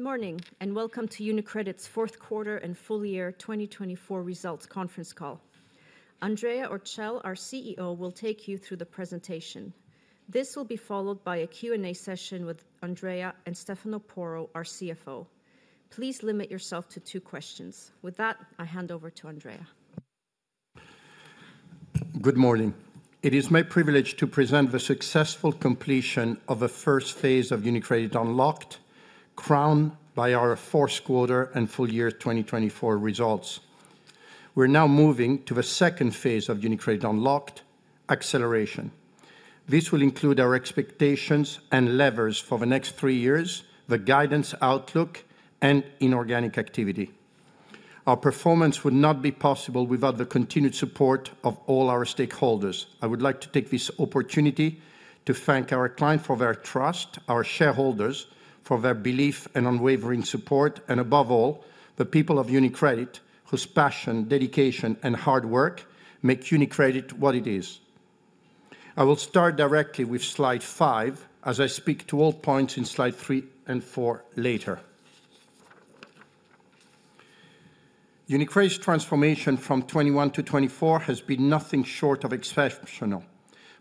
Good morning, and welcome to UniCredit's fourth quarter and full year 2024 results conference call. Andrea Orcel, our CEO, will take you through the presentation. This will be followed by a Q&A session with Andrea and Stefano Porro, our CFO. Please limit yourself to two questions. With that, I hand over to Andrea. Good morning. It is my privilege to present the successful completion of the first phase of UniCredit Unlocked, crowned by our fourth quarter and full year 2024 results. We're now moving to the second phase of UniCredit Unlocked: acceleration. This will include our expectations and levers for the next three years, the guidance, outlook, and inorganic activity. Our performance would not be possible without the continued support of all our stakeholders. I would like to take this opportunity to thank our clients for their trust, our shareholders for their belief and unwavering support, and above all, the people of UniCredit whose passion, dedication, and hard work make UniCredit what it is. I will start directly with slide five as I speak to all points in slide three and four later. UniCredit's transformation from 2021 to 2024 has been nothing short of exceptional,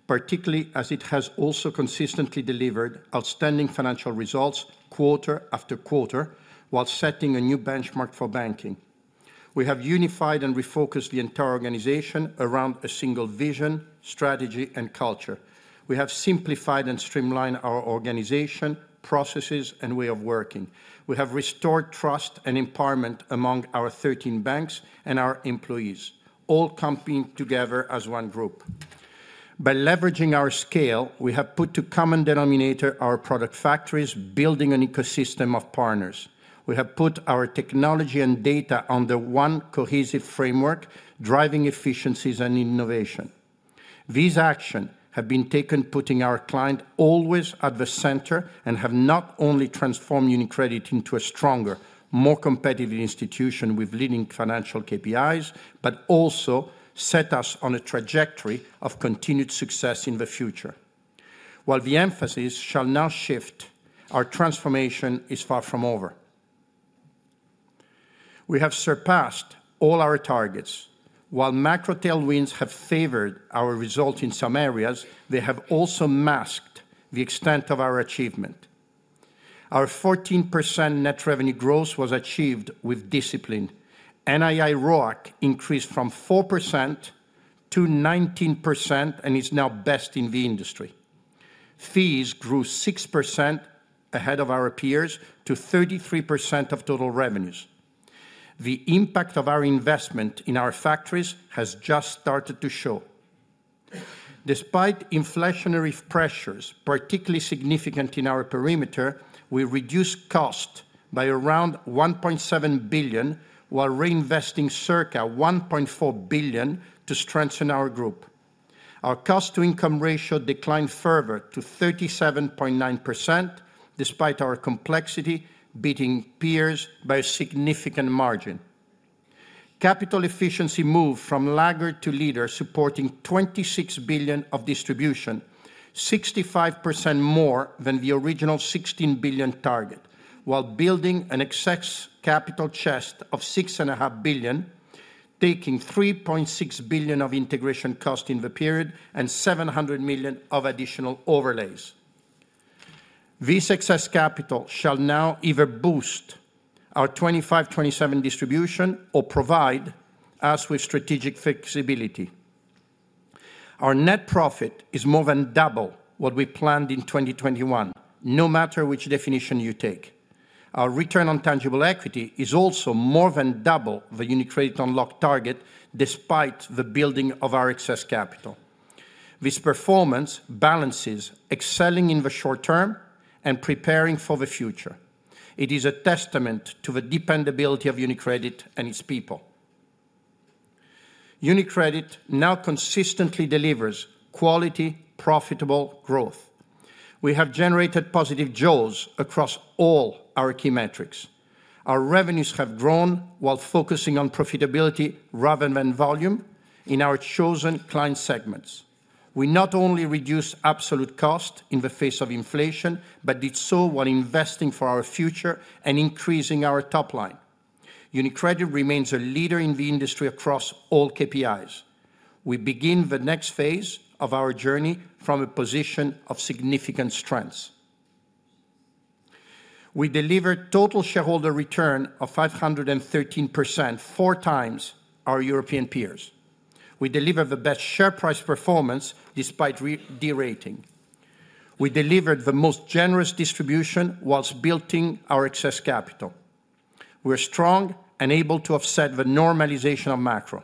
particularly as it has also consistently delivered outstanding financial results quarter after quarter while setting a new benchmark for banking. We have unified and refocused the entire organization around a single vision, strategy, and culture. We have simplified and streamlined our organization, processes, and way of working. We have restored trust and empowerment among our 13 banks and our employees, all coming together as one group. By leveraging our scale, we have put to common denominator our product factories, building an ecosystem of partners. We have put our technology and data under one cohesive framework, driving efficiencies and innovation. These actions have been taken, putting our client always at the center, and have not only transformed UniCredit into a stronger, more competitive institution with leading financial KPIs, but also set us on a trajectory of continued success in the future. While the emphasis shall now shift, our transformation is far from over. We have surpassed all our targets. While macro tailwinds have favored our result in some areas, they have also masked the extent of our achievement. Our 14% net revenue growth was achieved with discipline. NII ROAC increased from 4% to 19% and is now best in the industry. Fees grew 6% ahead of our peers to 33% of total revenues. The impact of our investment in our factories has just started to show. Despite inflationary pressures, particularly significant in our perimeter, we reduced costs by around 1.7 billion while reinvesting circa 1.4 billion to strengthen our group. Our cost-to-income ratio declined further to 37.9%, despite our complexity, beating peers by a significant margin. Capital efficiency moved from laggard to leader, supporting 26 billion of distribution, 65% more than the original 16 billion target, while building an excess capital chest of 6.5 billion, taking 3.6 billion of integration cost in the period and 700 million of additional overlays. This excess capital shall now either boost our 2025-2027 distribution or provide us with strategic flexibility. Our net profit is more than double what we planned in 2021, no matter which definition you take. Our return on tangible equity is also more than double the UniCredit Unlocked target, despite the building of our excess capital. This performance balances excelling in the short term and preparing for the future. It is a testament to the dependability of UniCredit and its people. UniCredit now consistently delivers quality, profitable growth. We have generated positive jaws across all our key metrics. Our revenues have grown while focusing on profitability rather than volume in our chosen client segments. We not only reduced absolute cost in the face of inflation, but did so while investing for our future and increasing our top line. UniCredit remains a leader in the industry across all KPIs. We begin the next phase of our journey from a position of significant strength. We delivered total shareholder return of 513%, four times our European peers. We delivered the best share price performance despite derating. We delivered the most generous distribution whilst building our excess capital. We are strong and able to offset the normalization of macro.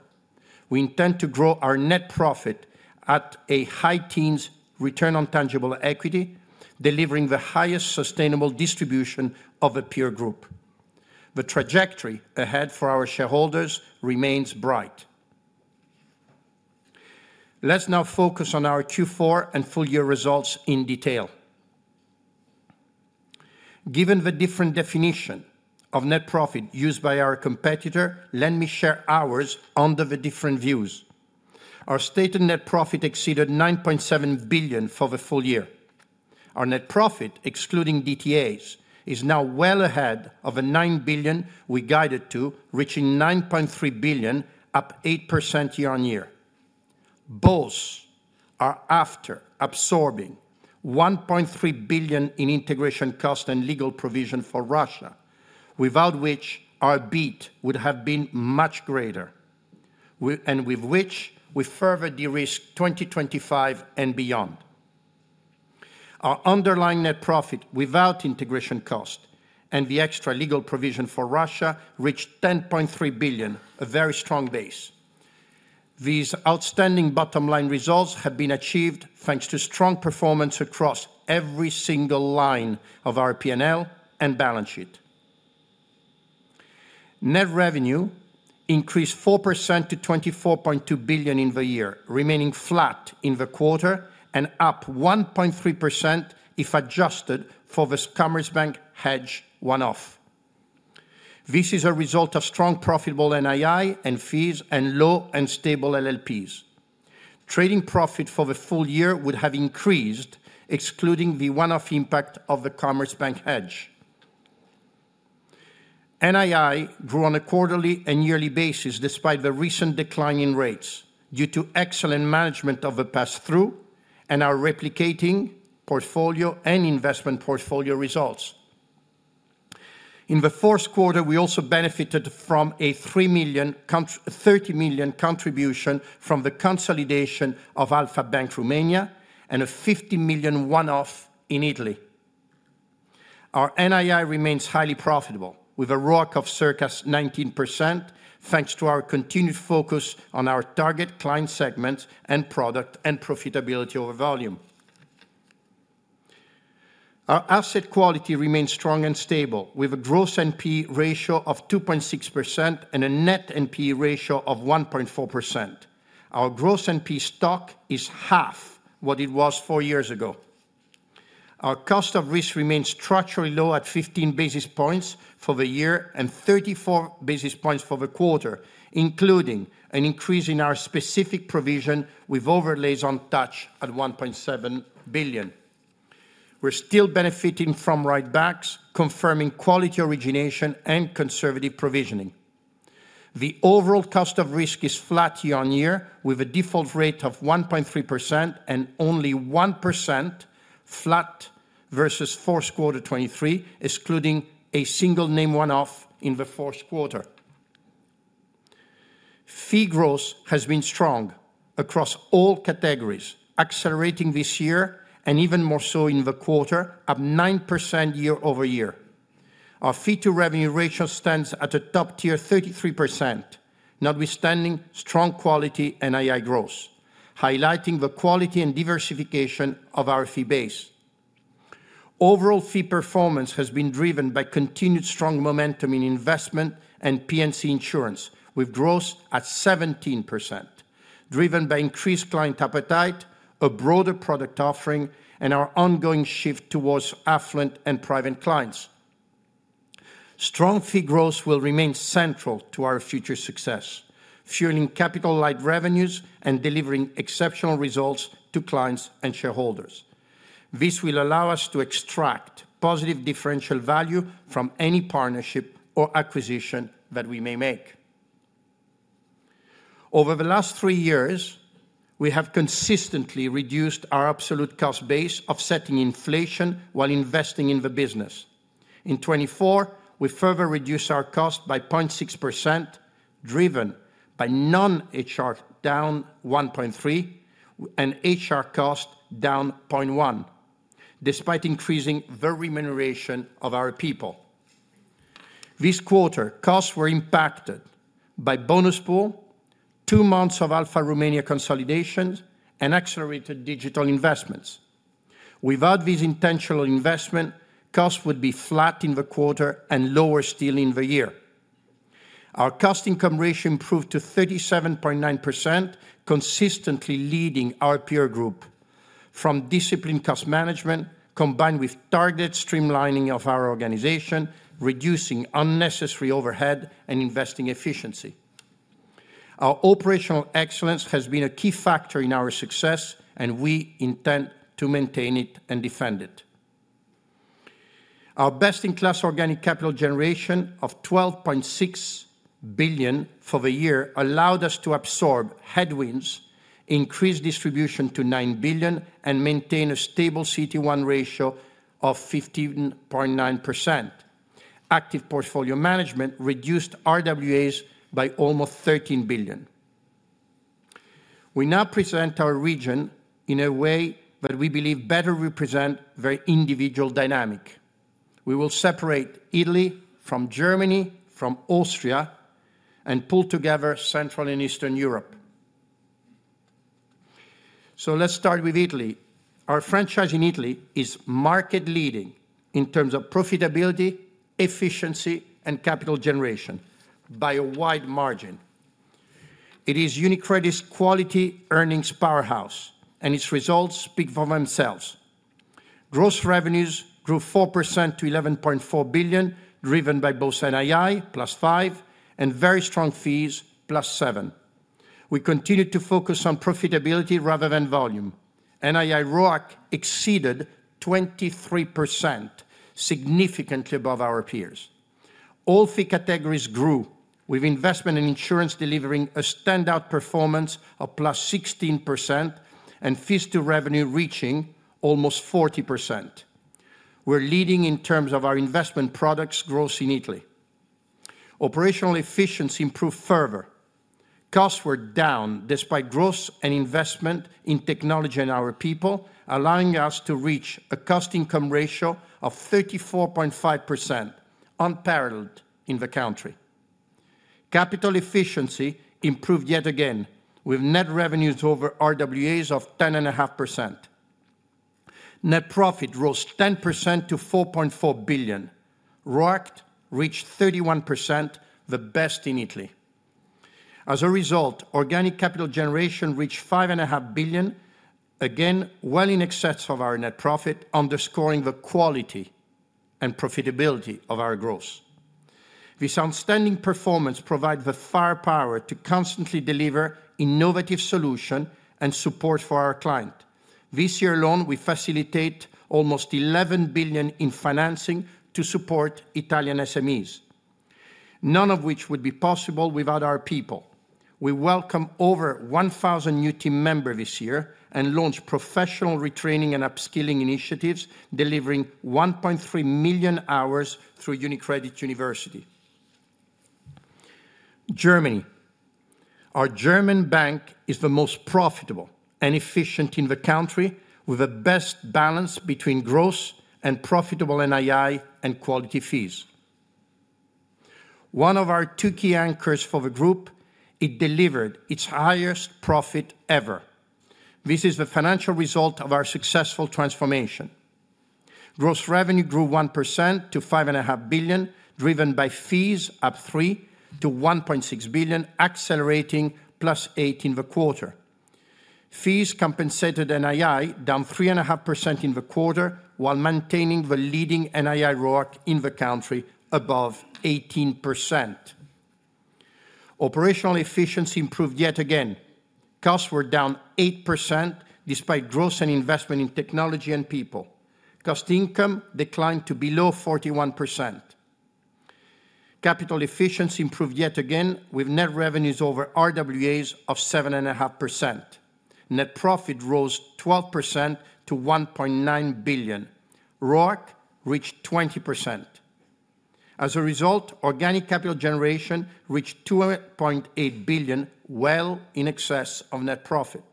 We intend to grow our net profit at a high teens return on tangible equity, delivering the highest sustainable distribution of a peer group. The trajectory ahead for our shareholders remains bright. Let's now focus on our Q4 and full year results in detail. Given the different definition of net profit used by our competitor, let me share ours under the different views. Our stated net profit exceeded 9.7 billion for the full year. Our net profit, excluding DTAs, is now well ahead of the 9 billion we guided to, reaching 9.3 billion, up 8% year on year. Both are after absorbing 1.3 billion in integration cost and legal provision for Russia, without which our beat would have been much greater, and with which we further de-risked 2025 and beyond. Our underlying net profit, without integration cost and the extra legal provision for Russia, reached 10.3 billion, a very strong base. These outstanding bottom line results have been achieved thanks to strong performance across every single line of our P&L and balance sheet. Net revenue increased 4% to 24.2 billion in the year, remaining flat in the quarter and up 1.3% if adjusted for the Commerzbank hedge one-off. This is a result of strong profitable NII and fees and low and stable LLPs. Trading profit for the full year would have increased, excluding the one-off impact of the Commerzbank hedge. NII grew on a quarterly and yearly basis despite the recent decline in rates due to excellent management of the pass-through and our replicating portfolio and investment portfolio results. In the fourth quarter, we also benefited from a 3 million contribution from the consolidation of Alpha Bank Romania and a 50 million one-off in Italy. Our NII remains highly profitable with a ROAC of circa 19%, thanks to our continued focus on our target client segments and product and profitability over volume. Our asset quality remains strong and stable with a gross NPE ratio of 2.6% and a net NPE ratio of 1.4%. Our gross NPE stock is half what it was four years ago. Our cost of risk remains structurally low at 15 basis points for the year and 34 basis points for the quarter, including an increase in our specific provision with overlays on top at 1.7 billion. We're still benefiting from write-backs confirming quality origination and conservative provisioning. The overall cost of risk is flat year on year with a default rate of 1.3% and only 1% flat versus fourth quarter 2023, excluding a single name one-off in the fourth quarter. Fee growth has been strong across all categories, accelerating this year and even more so in the quarter, up 9% year over year. Our fee-to-revenue ratio stands at a top tier 33%, notwithstanding strong quality NII growth, highlighting the quality and diversification of our fee base. Overall fee performance has been driven by continued strong momentum in investment and P&C insurance, with growth at 17%, driven by increased client appetite, a broader product offering, and our ongoing shift towards affluent and private clients. Strong fee growth will remain central to our future success, fueling capital-like revenues and delivering exceptional results to clients and shareholders. This will allow us to extract positive differential value from any partnership or acquisition that we may make. Over the last three years, we have consistently reduced our absolute cost base offsetting inflation while investing in the business. In 2024, we further reduced our cost by 0.6%, driven by non-HR down 1.3% and HR cost down 0.1%, despite increasing the remuneration of our people. This quarter, costs were impacted by bonus pool, two months of Alpha Romania consolidations, and accelerated digital investments. Without these intentional investments, costs would be flat in the quarter and lower still in the year. Our cost-income ratio improved to 37.9%, consistently leading our peer group from disciplined cost management combined with targeted streamlining of our organization, reducing unnecessary overhead and investing efficiency. Our operational excellence has been a key factor in our success, and we intend to maintain it and defend it. Our best-in-class organic capital generation of 12.6 billion for the year allowed us to absorb headwinds, increase distribution to 9 billion, and maintain a stable CET1 ratio of 15.9%. Active portfolio management reduced RWAs by almost 13 billion. We now present our region in a way that we believe better represents the individual dynamic. We will separate Italy from Germany from Austria and pull together Central and Eastern Europe. So let's start with Italy. Our franchise in Italy is market-leading in terms of profitability, efficiency, and capital generation by a wide margin. It is UniCredit's quality earnings powerhouse, and its results speak for themselves. Gross revenues grew 4% to 11.4 billion, driven by both NII +5% and very strong fees +7%. We continue to focus on profitability rather than volume. NII ROAC exceeded 23%, significantly above our peers. All fee categories grew, with investment and insurance delivering a standout performance of +16% and fees-to-revenue reaching almost 40%. We're leading in terms of our investment products growth in Italy. Operational efficiency improved further. Costs were down despite growth and investment in technology and our people, allowing us to reach a cost-income ratio of 34.5%, unparalleled in the country. Capital efficiency improved yet again, with net revenues over RWAs of 10.5%. Net profit rose 10% to 4.4 billion. ROAC reached 31%, the best in Italy. As a result, organic capital generation reached 5.5 billion, again well in excess of our net profit, underscoring the quality and profitability of our growth. This outstanding performance provides the firepower to constantly deliver innovative solutions and support for our clients. This year alone, we facilitate almost 11 billion in financing to support Italian SMEs, none of which would be possible without our people. We welcome over 1,000 new team members this year and launched professional retraining and upskilling initiatives, delivering 1.3 million hours through UniCredit University. Germany. Our German bank is the most profitable and efficient in the country, with the best balance between gross and profitable NII and quality fees. One of our two key anchors for the group, it delivered its highest profit ever. This is the financial result of our successful transformation. Gross revenue grew 1% to 5.5 billion, driven by fees up 3% to 1.6 billion, accelerating +8% in the quarter. Fees compensated NII down 3.5% in the quarter while maintaining the leading NII ROAC in the country above 18%. Operational efficiency improved yet again. Costs were down 8% despite growth and investment in technology and people. Cost income declined to below 41%. Capital efficiency improved yet again with net revenues over RWAs of 7.5%. Net profit rose 12% to 1.9 billion. ROAC reached 20%. As a result, organic capital generation reached 2.8 billion, well in excess of net profit.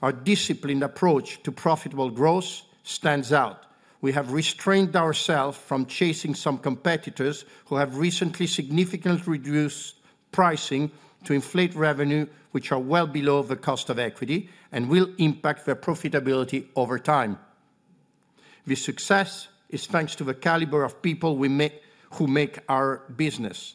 Our disciplined approach to profitable growth stands out. We have restrained ourselves from chasing some competitors who have recently significantly reduced pricing to inflate revenue, which are well below the cost of equity and will impact their profitability over time. This success is thanks to the caliber of people we meet who make our business.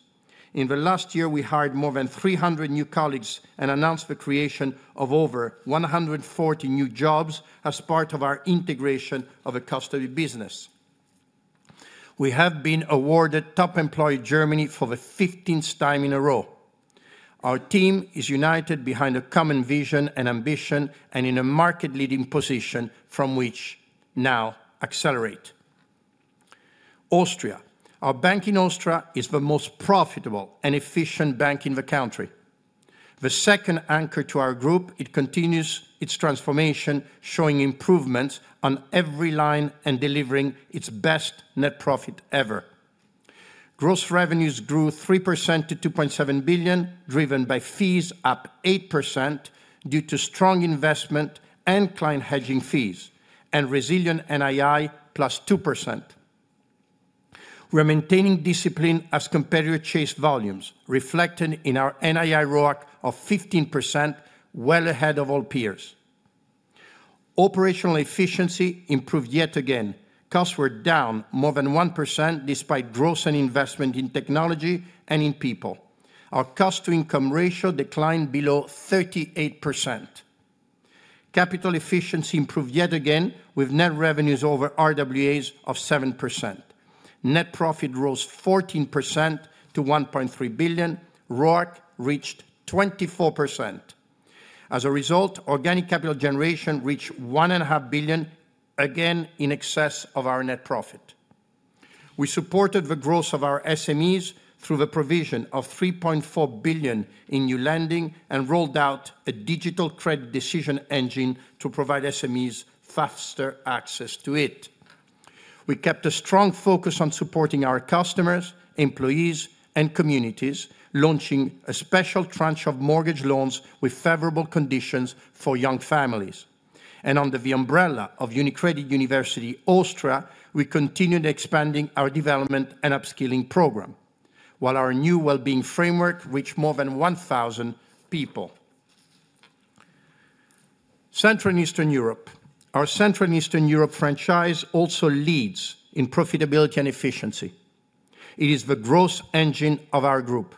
In the last year, we hired more than 300 new colleagues and announced the creation of over 140 new jobs as part of our integration of a custody business. We have been awarded Top Employer Germany for the 15th time in a row. Our team is united behind a common vision and ambition and in a market-leading position from which now accelerate. Austria. Our bank in Austria is the most profitable and efficient bank in the country. The second anchor to our group, it continues its transformation, showing improvements on every line and delivering its best net profit ever. Gross revenues grew 3% to 2.7 billion, driven by fees up 8% due to strong investment and client hedging fees and resilient NII plus 2%. We are maintaining discipline as competitors chase volumes, reflected in our NII ROAC of 15%, well ahead of all peers. Operational efficiency improved yet again. Costs were down more than 1% despite growth and investment in technology and in people. Our cost-to-income ratio declined below 38%. Capital efficiency improved yet again with net revenues over RWAs of 7%. Net profit rose 14% to 1.3 billion. ROAC reached 24%. As a result, organic capital generation reached 1.5 billion, again in excess of our net profit. We supported the growth of our SMEs through the provision of 3.4 billion in new lending and rolled out a digital credit decision engine to provide SMEs faster access to it. We kept a strong focus on supporting our customers, employees, and communities, launching a special tranche of mortgage loans with favorable conditions for young families, and under the umbrella of UniCredit University Austria, we continued expanding our development and upskilling program while our new well-being framework reached more than 1,000 people. Central and Eastern Europe. Our Central and Eastern Europe franchise also leads in profitability and efficiency. It is the growth engine of our group.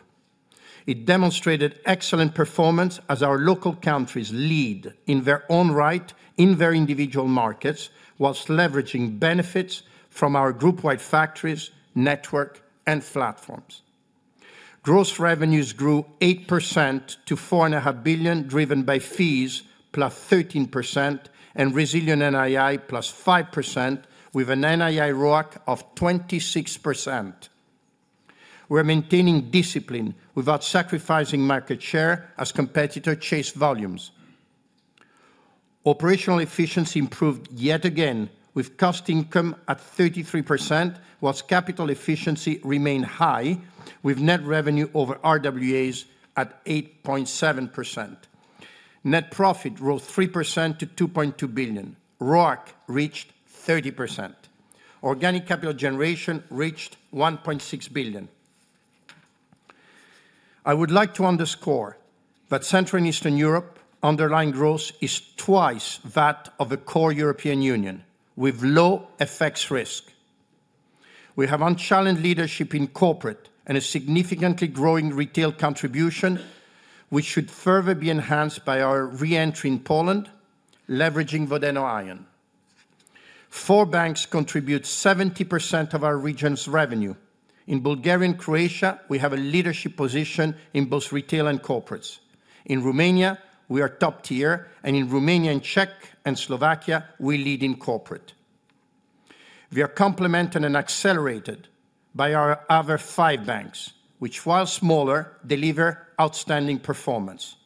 It demonstrated excellent performance as our local countries lead in their own right in their individual markets whilst leveraging benefits from our group-wide factories, network, and platforms. Gross revenues grew 8% to 4.5 billion, driven by fees plus 13% and resilient NII plus 5% with an NII ROAC of 26%. We are maintaining discipline without sacrificing market share as competitors chase volumes. Operational efficiency improved yet again with cost-to-income at 33% while capital efficiency remained high with net revenue over RWAs at 8.7%. Net profit rose 3% to 2.2 billion. ROAC reached 30%. Organic capital generation reached 1.6 billion. I would like to underscore that Central and Eastern Europe underlying growth is twice that of the core European Union with low effects risk. We have unchallenged leadership in corporate and a significantly growing retail contribution, which should further be enhanced by our re-entry in Poland, leveraging Vodeno. four banks contribute 70% of our region's revenue. In Bulgaria and Croatia, we have a leadership position in both retail and corporates. In Romania, we are top-tier, and in Romania and Czech and Slovakia, we lead in corporate. We are complemented and accelerated by our other five banks, which, while smaller, deliver outstanding performance.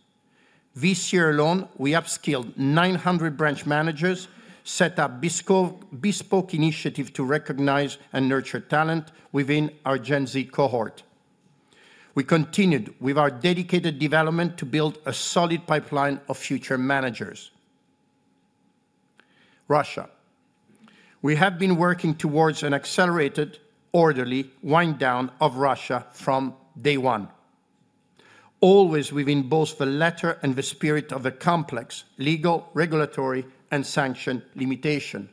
This year alone, we upskilled 900 branch managers, set up bespoke initiatives to recognize and nurture talent within our Gen Z cohort. We continued with our dedicated development to build a solid pipeline of future managers. Russia. We have been working towards an accelerated, orderly wind-down of Russia from day one, always within both the letter and the spirit of a complex legal, regulatory, and sanction limitation.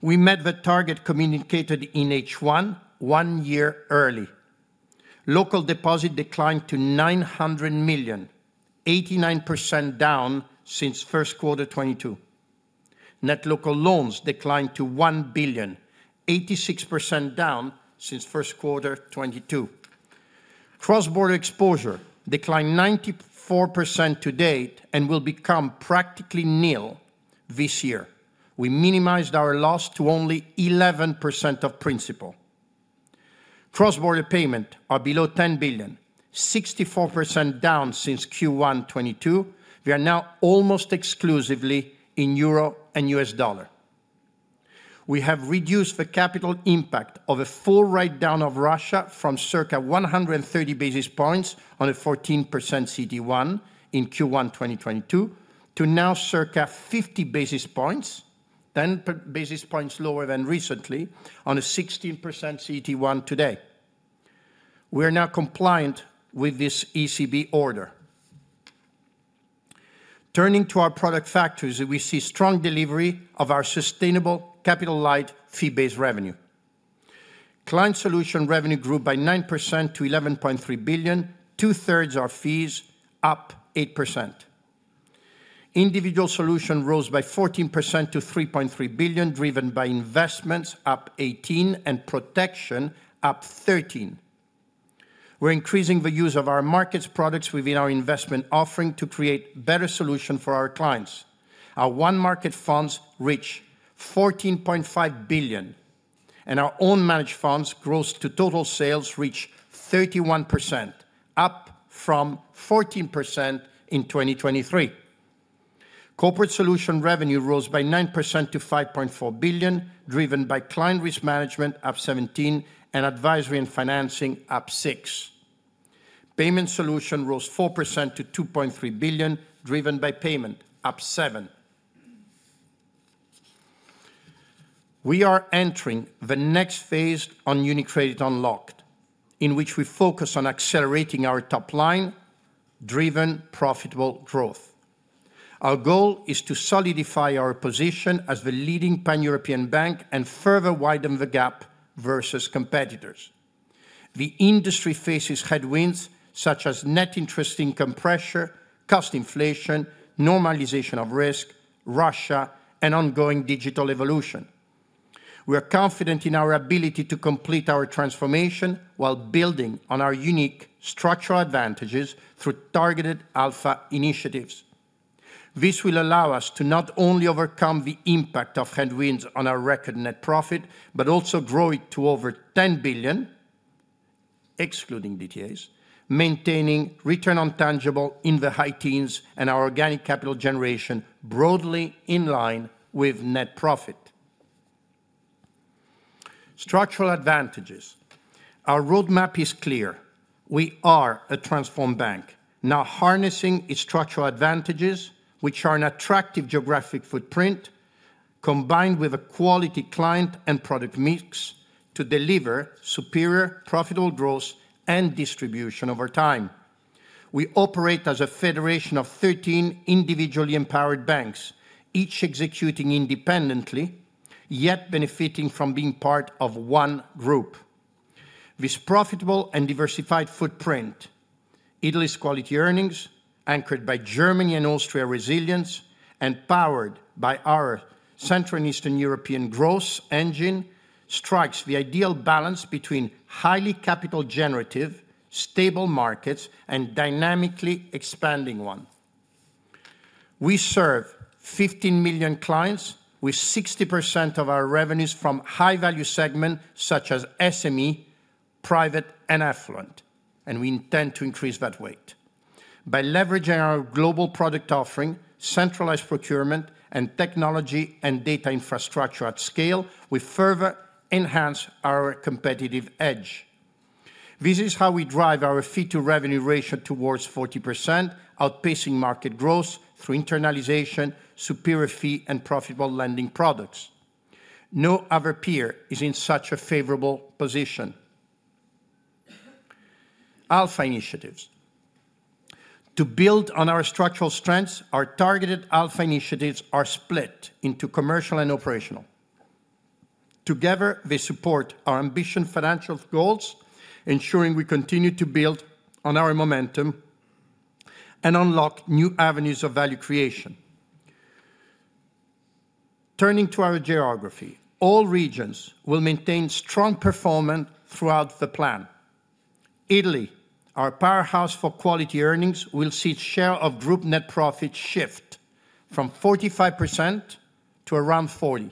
We met the target communicated in H1 one year early. Local deposit declined to $900 million, 89% down since first quarter 2022. Net local loans declined to $1 billion, 86% down since first quarter 2022. Cross-border exposure declined 94% to date and will become practically nil this year. We minimized our loss to only 11% of principal. Cross-border payments are below $10 billion, 64% down since Q1 2022. We are now almost exclusively in euro and US dollar. We have reduced the capital impact of a full write-down of Russia from circa 130 basis points on a 14% CET1 in Q1 2022 to now circa 50 basis points, 10 basis points lower than recently on a 16% CET1 today. We are now compliant with this ECB order. Turning to our product factories, we see strong delivery of our sustainable capital-light fee-based revenue. Client Solutions revenue grew by 9% to 11.3 billion, two-thirds of fees up 8%. Individual Solutions rose by 14% to 3.3 billion, driven by investments up 18% and protection up 13%. We're increasing the use of our markets products within our investment offering to create better solutions for our clients. Our onemarkets funds reached 14.5 billion, and our own managed funds gross to total sales reached 31%, up from 14% in 2023. Corporate Solutions revenue rose by 9% to 5.4 billion, driven by client risk management up 17% and advisory and financing up 6%. Payment Solutions rose 4% to 2.3 billion, driven by payment up 7%. We are entering the next phase on UniCredit Unlocked, in which we focus on accelerating our top-line-driven profitable growth. Our goal is to solidify our position as the leading pan-European bank and further widen the gap versus competitors. The industry faces headwinds such as net interest income pressure, cost inflation, normalization of risk, Russia, and ongoing digital evolution. We are confident in our ability to complete our transformation while building on our unique structural advantages through targeted alpha initiatives. This will allow us to not only overcome the impact of headwinds on our record net profit, but also grow it to over 10 billion, excluding DTAs, maintaining return on tangible in the high teens and our organic capital generation broadly in line with net profit. Structural advantages. Our roadmap is clear. We are a transformed bank, now harnessing its structural advantages, which are an attractive geographic footprint combined with a quality client and product mix to deliver superior profitable growth and distribution over time. We operate as a federation of 13 individually empowered banks, each executing independently, yet benefiting from being part of one group. This profitable and diversified footprint, Italy's quality earnings, anchored by Germany and Austria resilience, and powered by our Central and Eastern European growth engine, strikes the ideal balance between highly capital-generative, stable markets and dynamically expanding ones. We serve 15 million clients with 60% of our revenues from high-value segments such as SME, private, and affluent, and we intend to increase that weight. By leveraging our global product offering, centralized procurement, and technology and data infrastructure at scale, we further enhance our competitive edge. This is how we drive our fee-to-revenue ratio towards 40%, outpacing market growth through internalization, superior fee, and profitable lending products. No other peer is in such a favorable position. Alpha initiatives. To build on our structural strengths, our targeted alpha initiatives are split into commercial and operational. Together, they support our ambitious financial goals, ensuring we continue to build on our momentum and unlock new avenues of value creation. Turning to our geography, all regions will maintain strong performance throughout the plan. Italy, our powerhouse for quality earnings, will see its share of group net profit shift from 45% to around 40%.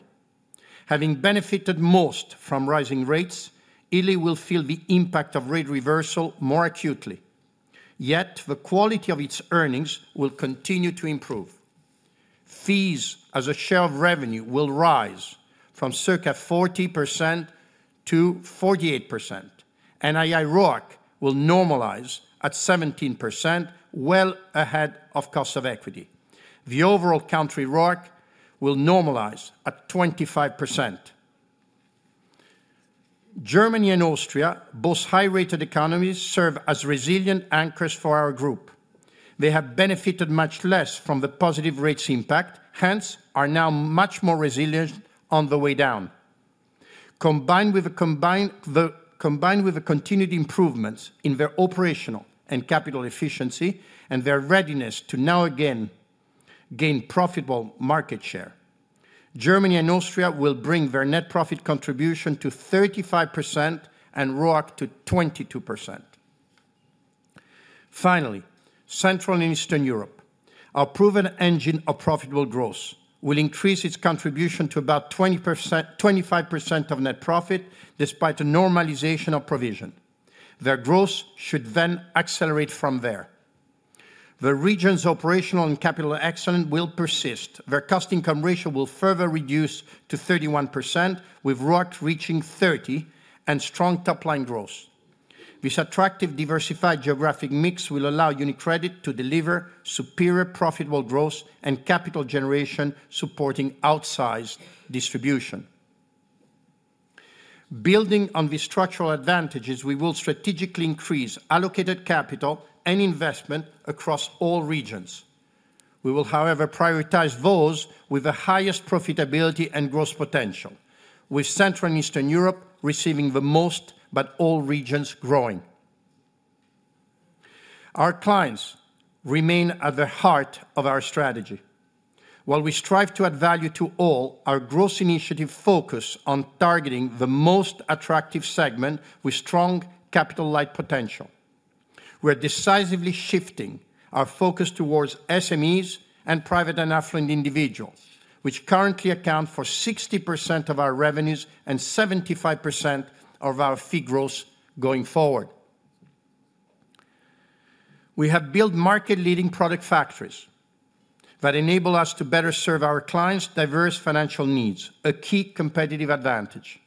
Having benefited most from rising rates, Italy will feel the impact of rate reversal more acutely. Yet, the quality of its earnings will continue to improve. Fees as a share of revenue will rise from circa 40% to 48%. NII ROAC will normalize at 17%, well ahead of cost of equity. The overall country ROAC will normalize at 25%. Germany and Austria, both high-rated economies, serve as resilient anchors for our group. They have benefited much less from the positive rates impact, hence are now much more resilient on the way down. Combined with the continued improvements in their operational and capital efficiency and their readiness to now again gain profitable market share, Germany and Austria will bring their net profit contribution to 35% and ROAC to 22%. Finally, Central and Eastern Europe, our proven engine of profitable growth, will increase its contribution to about 25% of net profit despite a normalization of provision. Their growth should then accelerate from there. The region's operational and capital excellence will persist. Their cost income ratio will further reduce to 31%, with ROAC reaching 30% and strong top-line growth. This attractive diversified geographic mix will allow UniCredit to deliver superior profitable growth and capital generation supporting outsized distribution. Building on these structural advantages, we will strategically increase allocated capital and investment across all regions. We will, however, prioritize those with the highest profitability and growth potential, with Central and Eastern Europe receiving the most, but all regions growing. Our clients remain at the heart of our strategy. While we strive to add value to all, our growth initiatives focus on targeting the most attractive segment with strong capital-light potential. We are decisively shifting our focus towards SMEs and private and affluent individuals, which currently account for 60% of our revenues and 75% of our fee growth going forward. We have built market-leading product factories that enable us to better serve our clients' diverse financial needs, a key competitive advantage.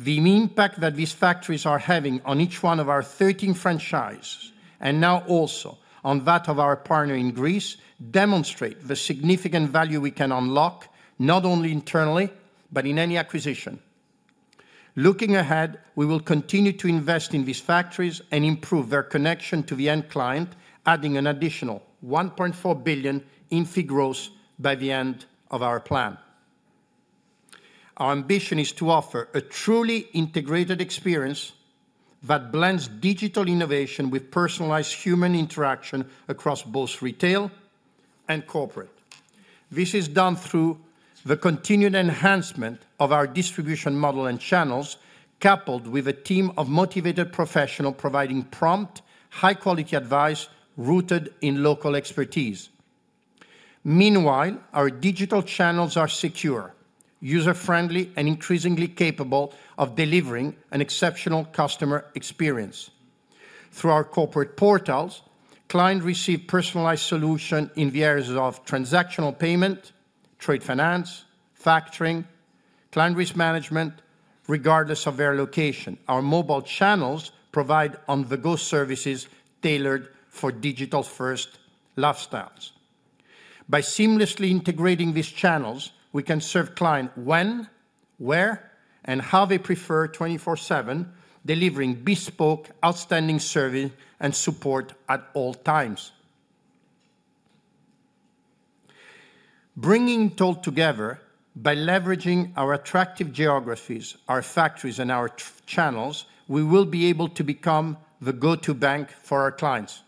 The impact that these factories are having on each one of our 13 franchises, and now also on that of our partner in Greece, demonstrates the significant value we can unlock not only internally, but in any acquisition. Looking ahead, we will continue to invest in these factories and improve their connection to the end client, adding an additional 1.4 billion in fee growth by the end of our plan. Our ambition is to offer a truly integrated experience that blends digital innovation with personalized human interaction across both retail and corporate. This is done through the continued enhancement of our distribution model and channels, coupled with a team of motivated professionals providing prompt, high-quality advice rooted in local expertise. Meanwhile, our digital channels are secure, user-friendly, and increasingly capable of delivering an exceptional customer experience. Through our corporate portals, clients receive personalized solutions in the areas of transactional payment, trade finance, factoring, client risk management, regardless of their location. Our mobile channels provide on-the-go services tailored for digital-first lifestyles. By seamlessly integrating these channels, we can serve clients when, where, and how they prefer 24/7, delivering bespoke, outstanding service and support at all times. Bringing it all together, by leveraging our attractive geographies, our factories, and our channels, we will be able to become the go-to bank for our clients.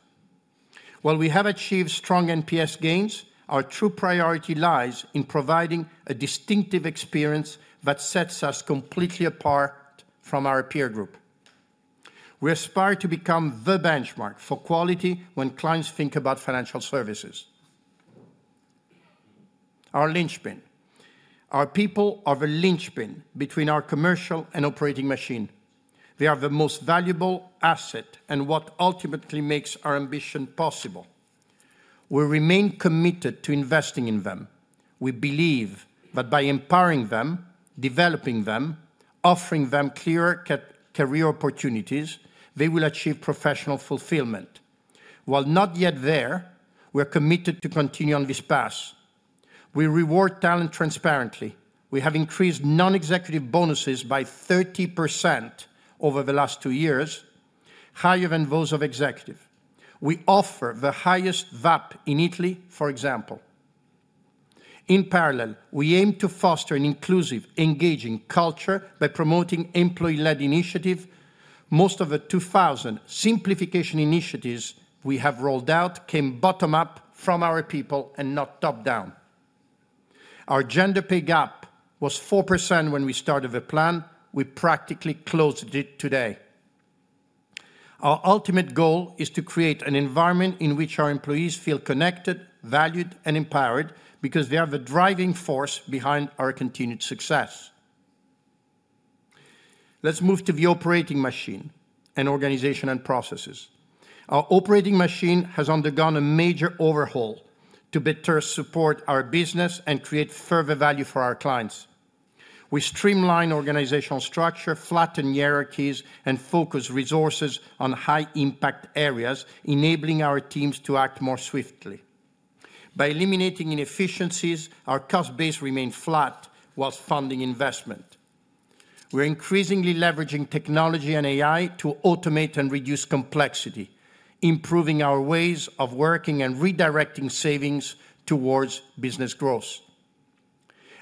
While we have achieved strong NPS gains, our true priority lies in providing a distinctive experience that sets us completely apart from our peer group. We aspire to become the benchmark for quality when clients think about financial services. Our linchpin. Our people are the linchpin between our commercial and operating machine. They are the most valuable asset and what ultimately makes our ambition possible. We remain committed to investing in them. We believe that by empowering them, developing them, offering them clearer career opportunities, they will achieve professional fulfillment. While not yet there, we are committed to continue on this path. We reward talent transparently. We have increased non-executive bonuses by 30% over the last two years, higher than those of executives. We offer the highest VAP in Italy, for example. In parallel, we aim to foster an inclusive, engaging culture by promoting employee-led initiatives. Most of the 2,000 simplification initiatives we have rolled out came bottom-up from our people and not top-down. Our gender pay gap was 4% when we started the plan. We practically closed it today. Our ultimate goal is to create an environment in which our employees feel connected, valued, and empowered because they are the driving force behind our continued success. Let's move to the operating machine and organization and processes. Our operating machine has undergone a major overhaul to better support our business and create further value for our clients. We streamline organizational structure, flatten hierarchies, and focus resources on high-impact areas, enabling our teams to act more swiftly. By eliminating inefficiencies, our cost base remains flat while funding investment. We are increasingly leveraging technology and AI to automate and reduce complexity, improving our ways of working and redirecting savings towards business growth,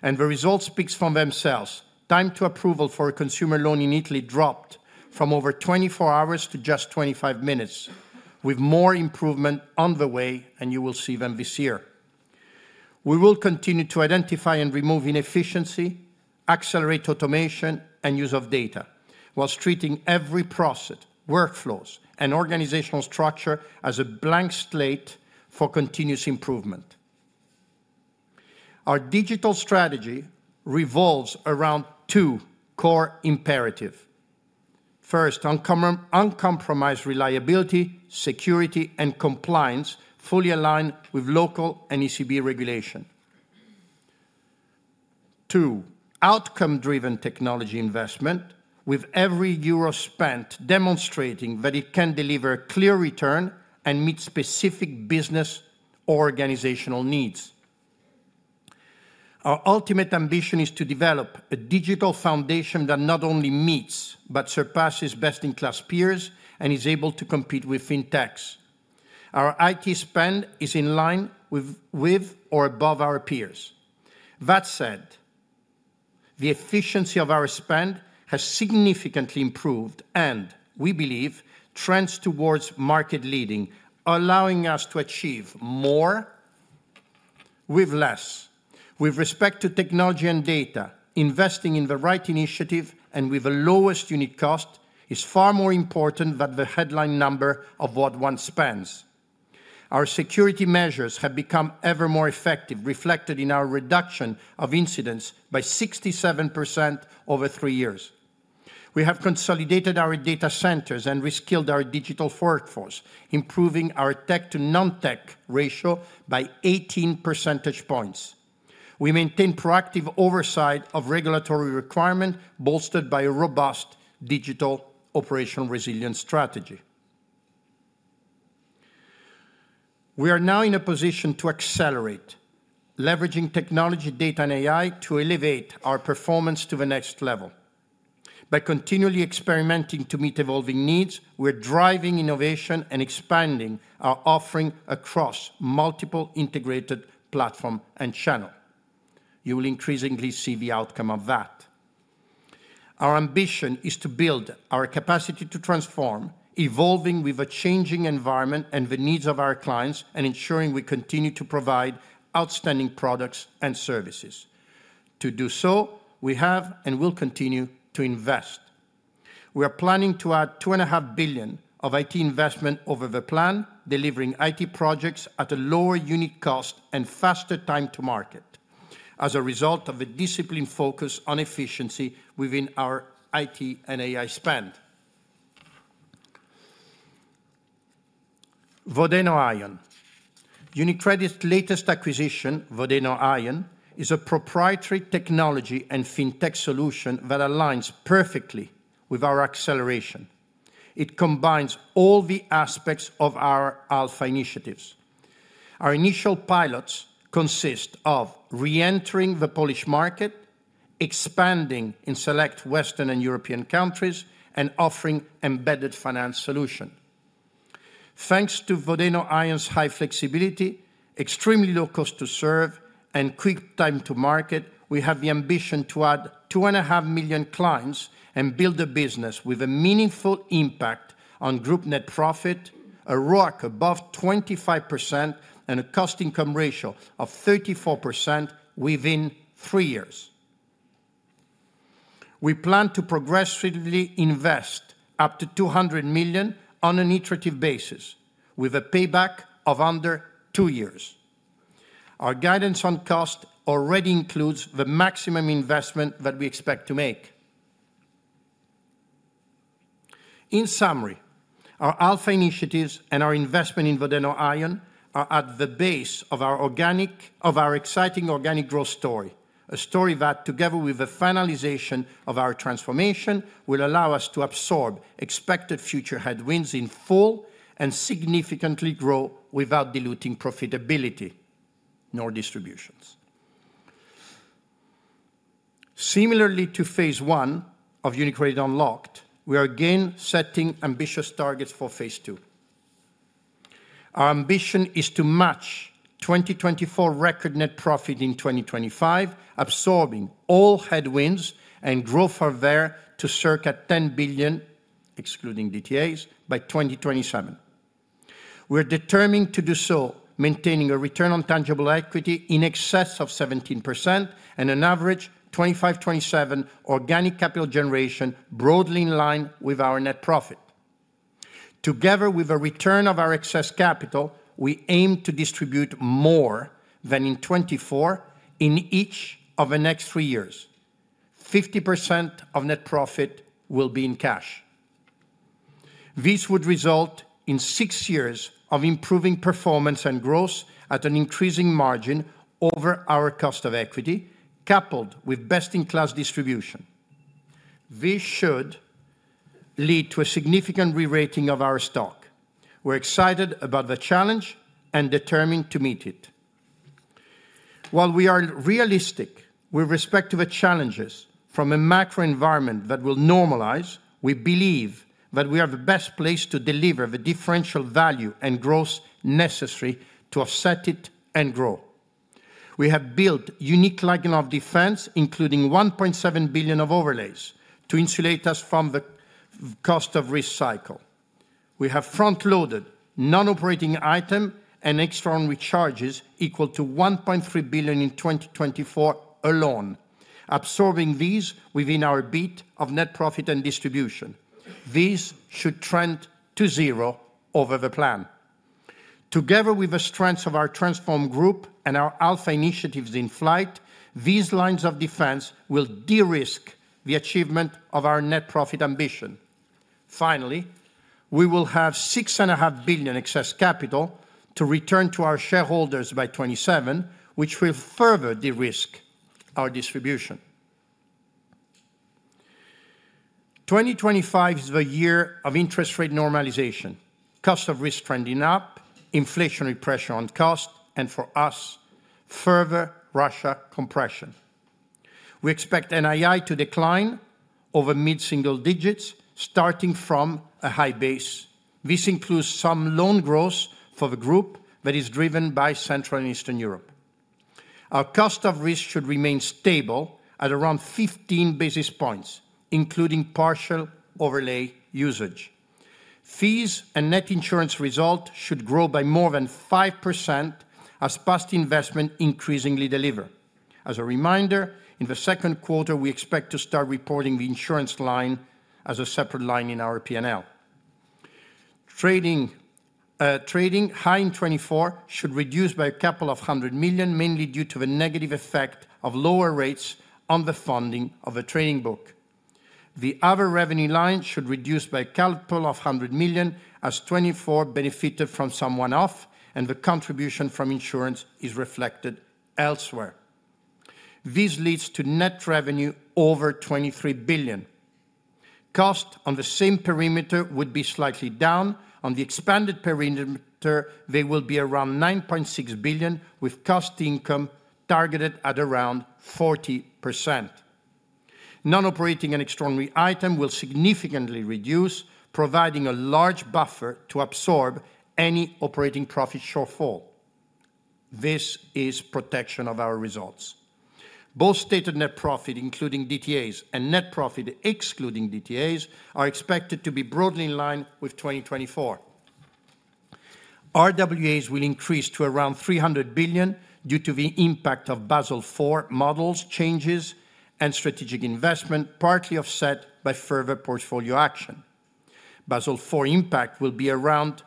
and the results speak for themselves. Time to approval for a consumer loan in Italy dropped from over 24 hours to just 25 minutes, with more improvement on the way, and you will see them this year. We will continue to identify and remove inefficiency, accelerate automation, and use of data, while treating every process, workflows, and organizational structure as a blank slate for continuous improvement. Our digital strategy revolves around two core imperatives. First, uncompromised reliability, security, and compliance fully aligned with local and ECB regulation. Two, outcome-driven technology investment, with every euro spent demonstrating that it can deliver a clear return and meet specific business or organizational needs. Our ultimate ambition is to develop a digital foundation that not only meets but surpasses best-in-class peers and is able to compete with fintechs. Our IT spend is in line with or above our peers. That said, the efficiency of our spend has significantly improved, and we believe trends towards market-leading, allowing us to achieve more with less. With respect to technology and data, investing in the right initiative and with the lowest unit cost is far more important than the headline number of what one spends. Our security measures have become ever more effective, reflected in our reduction of incidents by 67% over three years. We have consolidated our data centers and reskilled our digital workforce, improving our tech-to-non-tech ratio by 18 percentage points. We maintain proactive oversight of regulatory requirements, bolstered by a robust digital operational resilience strategy. We are now in a position to accelerate, leveraging technology, data, and AI to elevate our performance to the next level. By continually experimenting to meet evolving needs, we are driving innovation and expanding our offering across multiple integrated platforms and channels. You will increasingly see the outcome of that. Our ambition is to build our capacity to transform, evolving with a changing environment and the needs of our clients, and ensuring we continue to provide outstanding products and services. To do so, we have and will continue to invest. We are planning to add 2.5 billion of IT investment over the plan, delivering IT projects at a lower unit cost and faster time to market, as a result of a disciplined focus on efficiency within our IT and AI spend. Vodeno Aion. UniCredit's latest acquisition, Vodeno Aion, is a proprietary technology and fintech solution that aligns perfectly with our acceleration. It combines all the aspects of our alpha initiatives. Our initial pilots consist of re-entering the Polish market, expanding in select Western and European countries, and offering embedded finance solutions. Thanks to Vodeno and Aion's high flexibility, extremely low cost to serve, and quick time to market, we have the ambition to add 2.5 million clients and build a business with a meaningful impact on group net profit, a ROAC above 25%, and a cost income ratio of 34% within three years. We plan to progressively invest up to 200 million on an iterative basis, with a payback of under two years. Our guidance on cost already includes the maximum investment that we expect to make. In summary, our alpha initiatives and our investment in Vodeno and Aion are at the base of our exciting organic growth story, a story that, together with the finalization of our transformation, will allow us to absorb expected future headwinds in full and significantly grow without diluting profitability nor distributions. Similarly to phase one of UniCredit Unlocked, we are again setting ambitious targets for phase two. Our ambition is to match 2024 record net profit in 2025, absorbing all headwinds and growth from there to circa 10 billion, excluding DTAs, by 2027. We are determined to do so, maintaining a return on tangible equity in excess of 17% and an average 25-27 organic capital generation broadly in line with our net profit. Together with the return of our excess capital, we aim to distribute more than in 2024 in each of the next three years. 50% of net profit will be in cash. This would result in six years of improving performance and growth at an increasing margin over our cost of equity, coupled with best-in-class distribution. This should lead to a significant re-rating of our stock. We're excited about the challenge and determined to meet it. While we are realistic with respect to the challenges from a macro environment that will normalize, we believe that we are the best place to deliver the differential value and growth necessary to offset it and grow. We have built unique line of defense, including 1.7 billion of overlays to insulate us from the cost of risk cycle. We have front-loaded non-operating items and external charges equal to 1.3 billion in 2024 alone, absorbing these within our beat of net profit and distribution. This should trend to zero over the plan. Together with the strengths of our transform group and our alpha initiatives in flight, these lines of defense will de-risk the achievement of our net profit ambition. Finally, we will have 6.5 billion excess capital to return to our shareholders by 2027, which will further de-risk our distribution. 2025 is the year of interest rate normalization, cost of risk trending up, inflationary pressure on cost, and for us, further Russia compression. We expect NII to decline over mid-single digits, starting from a high base. This includes some loan growth for the group that is driven by Central and Eastern Europe. Our cost of risk should remain stable at around 15 basis points, including partial overlay usage. Fees and net insurance result should grow by more than 5% as past investment increasingly deliver. As a reminder, in the second quarter, we expect to start reporting the insurance line as a separate line in our P&L. Trading high in 2024 should reduce by a couple of hundred million, mainly due to the negative effect of lower rates on the funding of the trading book. The other revenue lines should reduce by a couple of hundred million as 2024 benefited from some one-off and the contribution from insurance is reflected elsewhere. This leads to net revenue over 23 billion. Cost on the same perimeter would be slightly down. On the expanded perimeter, there will be around 9.6 billion with cost income targeted at around 40%. Non-operating and extraordinary items will significantly reduce, providing a large buffer to absorb any operating profit shortfall. This is protection of our results. Both stated net profit, including DTAs, and net profit, excluding DTAs, are expected to be broadly in line with 2024. RWAs will increase to around 300 billion due to the impact of Basel IV models, changes, and strategic investment, partly offset by further portfolio action. Basel IV impact will be around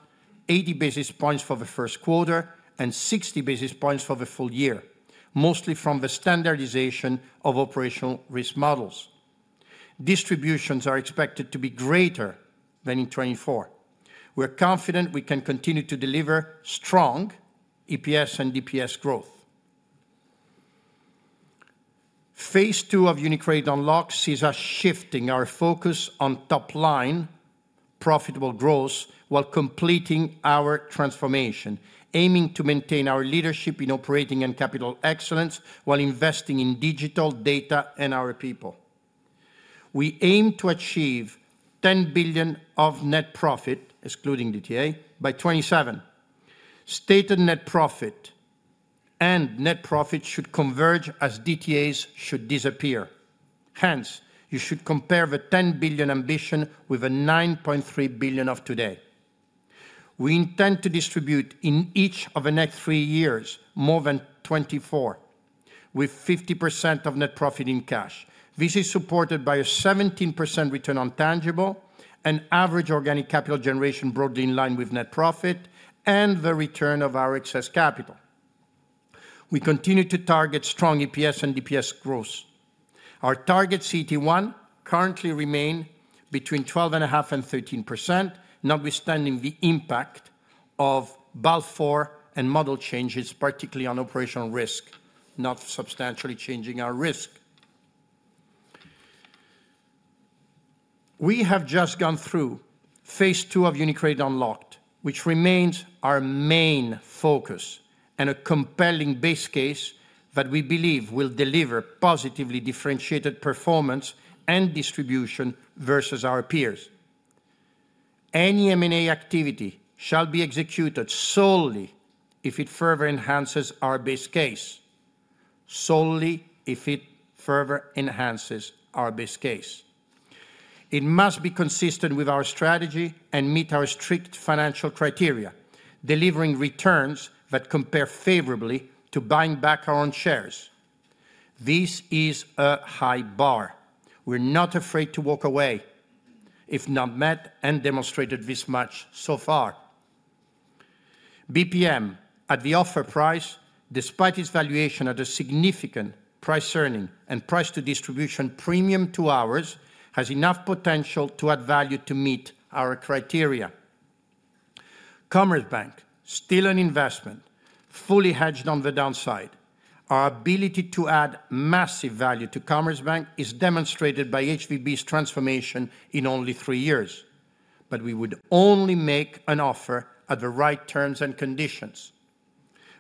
80 basis points for the first quarter and 60 basis points for the full year, mostly from the standardization of operational risk models. Distributions are expected to be greater than in 2024. We are confident we can continue to deliver strong EPS and DPS growth. Phase two of UniCredit Unlocked sees us shifting our focus on top-line profitable growth while completing our transformation, aiming to maintain our leadership in operating and capital excellence while investing in digital, data, and our people. We aim to achieve 10 billion of net profit, excluding DTA, by 2027. Stated net profit and net profit should converge as DTAs should disappear. Hence, you should compare the 10 billion ambition with the 9.3 billion of today. We intend to distribute in each of the next three years more than 24 billion, with 50% of net profit in cash. This is supported by a 17% return on tangible, an average organic capital generation broadly in line with net profit, and the return of our excess capital. We continue to target strong EPS and DPS growth. Our target CET1 currently remains between 12.5% and 13%, notwithstanding the impact of Basel IV and model changes, particularly on operational risk, not substantially changing our risk. We have just gone through phase two of UniCredit Unlocked, which remains our main focus and a compelling base case that we believe will deliver positively differentiated performance and distribution versus our peers. Any M&A activity shall be executed solely if it further enhances our base case, solely if it further enhances our base case. It must be consistent with our strategy and meet our strict financial criteria, delivering returns that compare favorably to buying back our own shares. This is a high bar. We're not afraid to walk away if not met and demonstrated this much so far. BPM, at the offer price, despite its valuation at a significant price-earnings and price-to-distribution premium to ours, has enough potential to add value to meet our criteria. Commerzbank, still an investment, fully hedged on the downside. Our ability to add massive value to Commerzbank is demonstrated by HVB's transformation in only three years. But we would only make an offer at the right terms and conditions.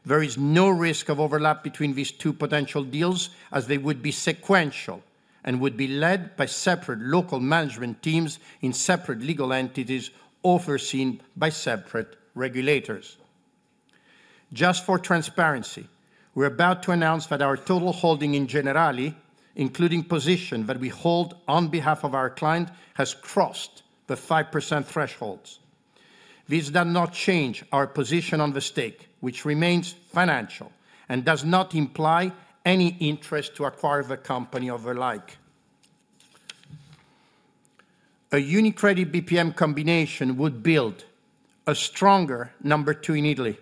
There is no risk of overlap between these two potential deals, as they would be sequential and would be led by separate local management teams in separate legal entities overseen by separate regulators. Just for transparency, we're about to announce that our total holding in Generali, including positions that we hold on behalf of our client, has crossed the 5% thresholds. This does not change our position on the stake, which remains financial and does not imply any interest to acquire the company of the like. A UniCredit BPM combination would build a stronger number two in Italy.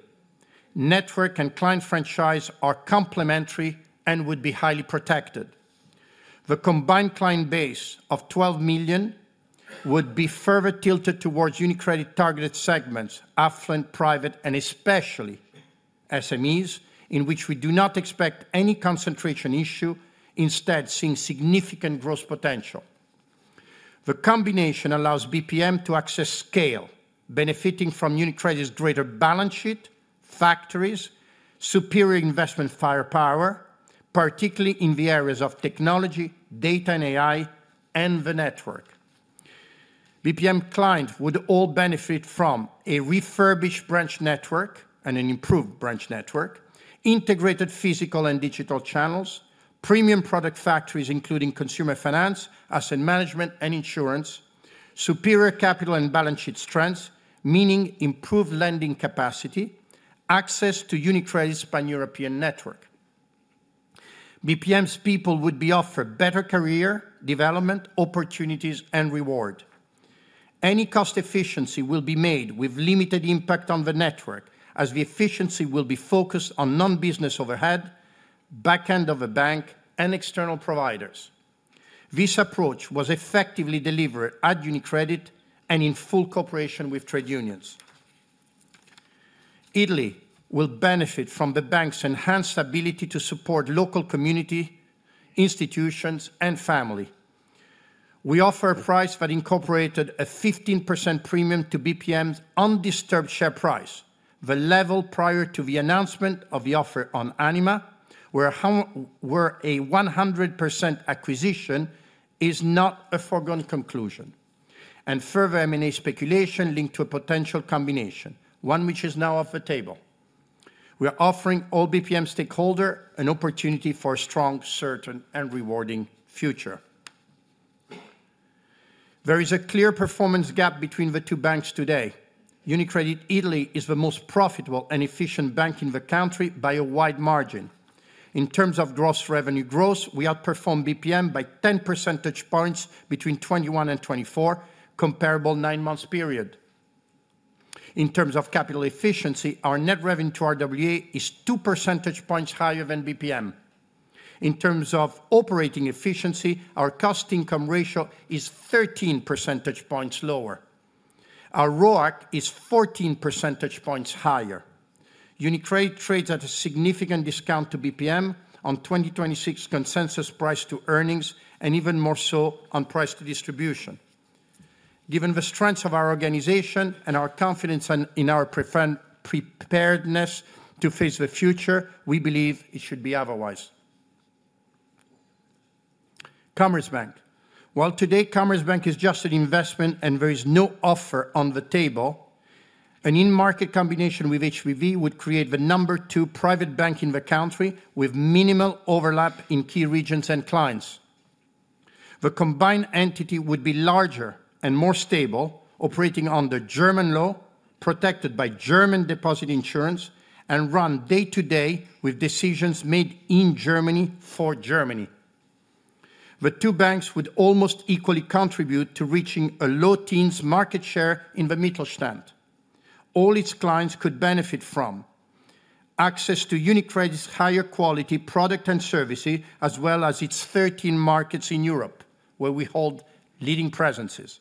Network and client franchise are complementary and would be highly protected. The combined client base of 12 million would be further tilted towards UniCredit-targeted segments, affluent private, and especially SMEs, in which we do not expect any concentration issue, instead seeing significant growth potential. The combination allows BPM to access scale, benefiting from UniCredit's greater balance sheet, factories, superior investment firepower, particularly in the areas of technology, data, and AI, and the network. BPM clients would all benefit from a refurbished branch network and an improved branch network, integrated physical and digital channels, premium product factories, including consumer finance, asset management, and insurance, superior capital and balance sheet strengths, meaning improved lending capacity, access to UniCredit's Pan-European network. Banco BPM's people would be offered better career development opportunities and reward. Any cost efficiency will be made with limited impact on the network, as the efficiency will be focused on non-business overhead, backend of a bank, and external providers. This approach was effectively delivered at UniCredit and in full cooperation with trade unions. Italy will benefit from the bank's enhanced ability to support local community institutions and family. We offer a price that incorporated a 15% premium to BPM's undisturbed share price, the level prior to the announcement of the offer on Anima, where a 100% acquisition is not a foregone conclusion, and further M&A speculation linked to a potential combination, one which is now off the table. We are offering all BPM stakeholders an opportunity for a strong, certain, and rewarding future. There is a clear performance gap between the two banks today. UniCredit Italy is the most profitable and efficient bank in the country by a wide margin. In terms of gross revenue growth, we outperform BPM by 10 percentage points between 2021 and 2024, comparable nine-month period. In terms of capital efficiency, our net revenue to RWA is two percentage points higher than BPM. In terms of operating efficiency, our cost income ratio is 13 percentage points lower. Our ROAC is 14 percentage points higher. UniCredit trades at a significant discount to BPM on 2026 consensus price to earnings and even more so on price to distribution. Given the strength of our organization and our confidence in our preparedness to face the future, we believe it should be otherwise. Commerzbank, while today Commerzbank is just an investment and there is no offer on the table, an in-market combination with HVB would create the number two private bank in the country with minimal overlap in key regions and clients. The combined entity would be larger and more stable, operating under German law, protected by German deposit insurance, and run day-to-day with decisions made in Germany for Germany. The two banks would almost equally contribute to reaching a low teens market share in the Mittelstand. All its clients could benefit from access to UniCredit's higher quality product and services, as well as its 13 markets in Europe, where we hold leading presences,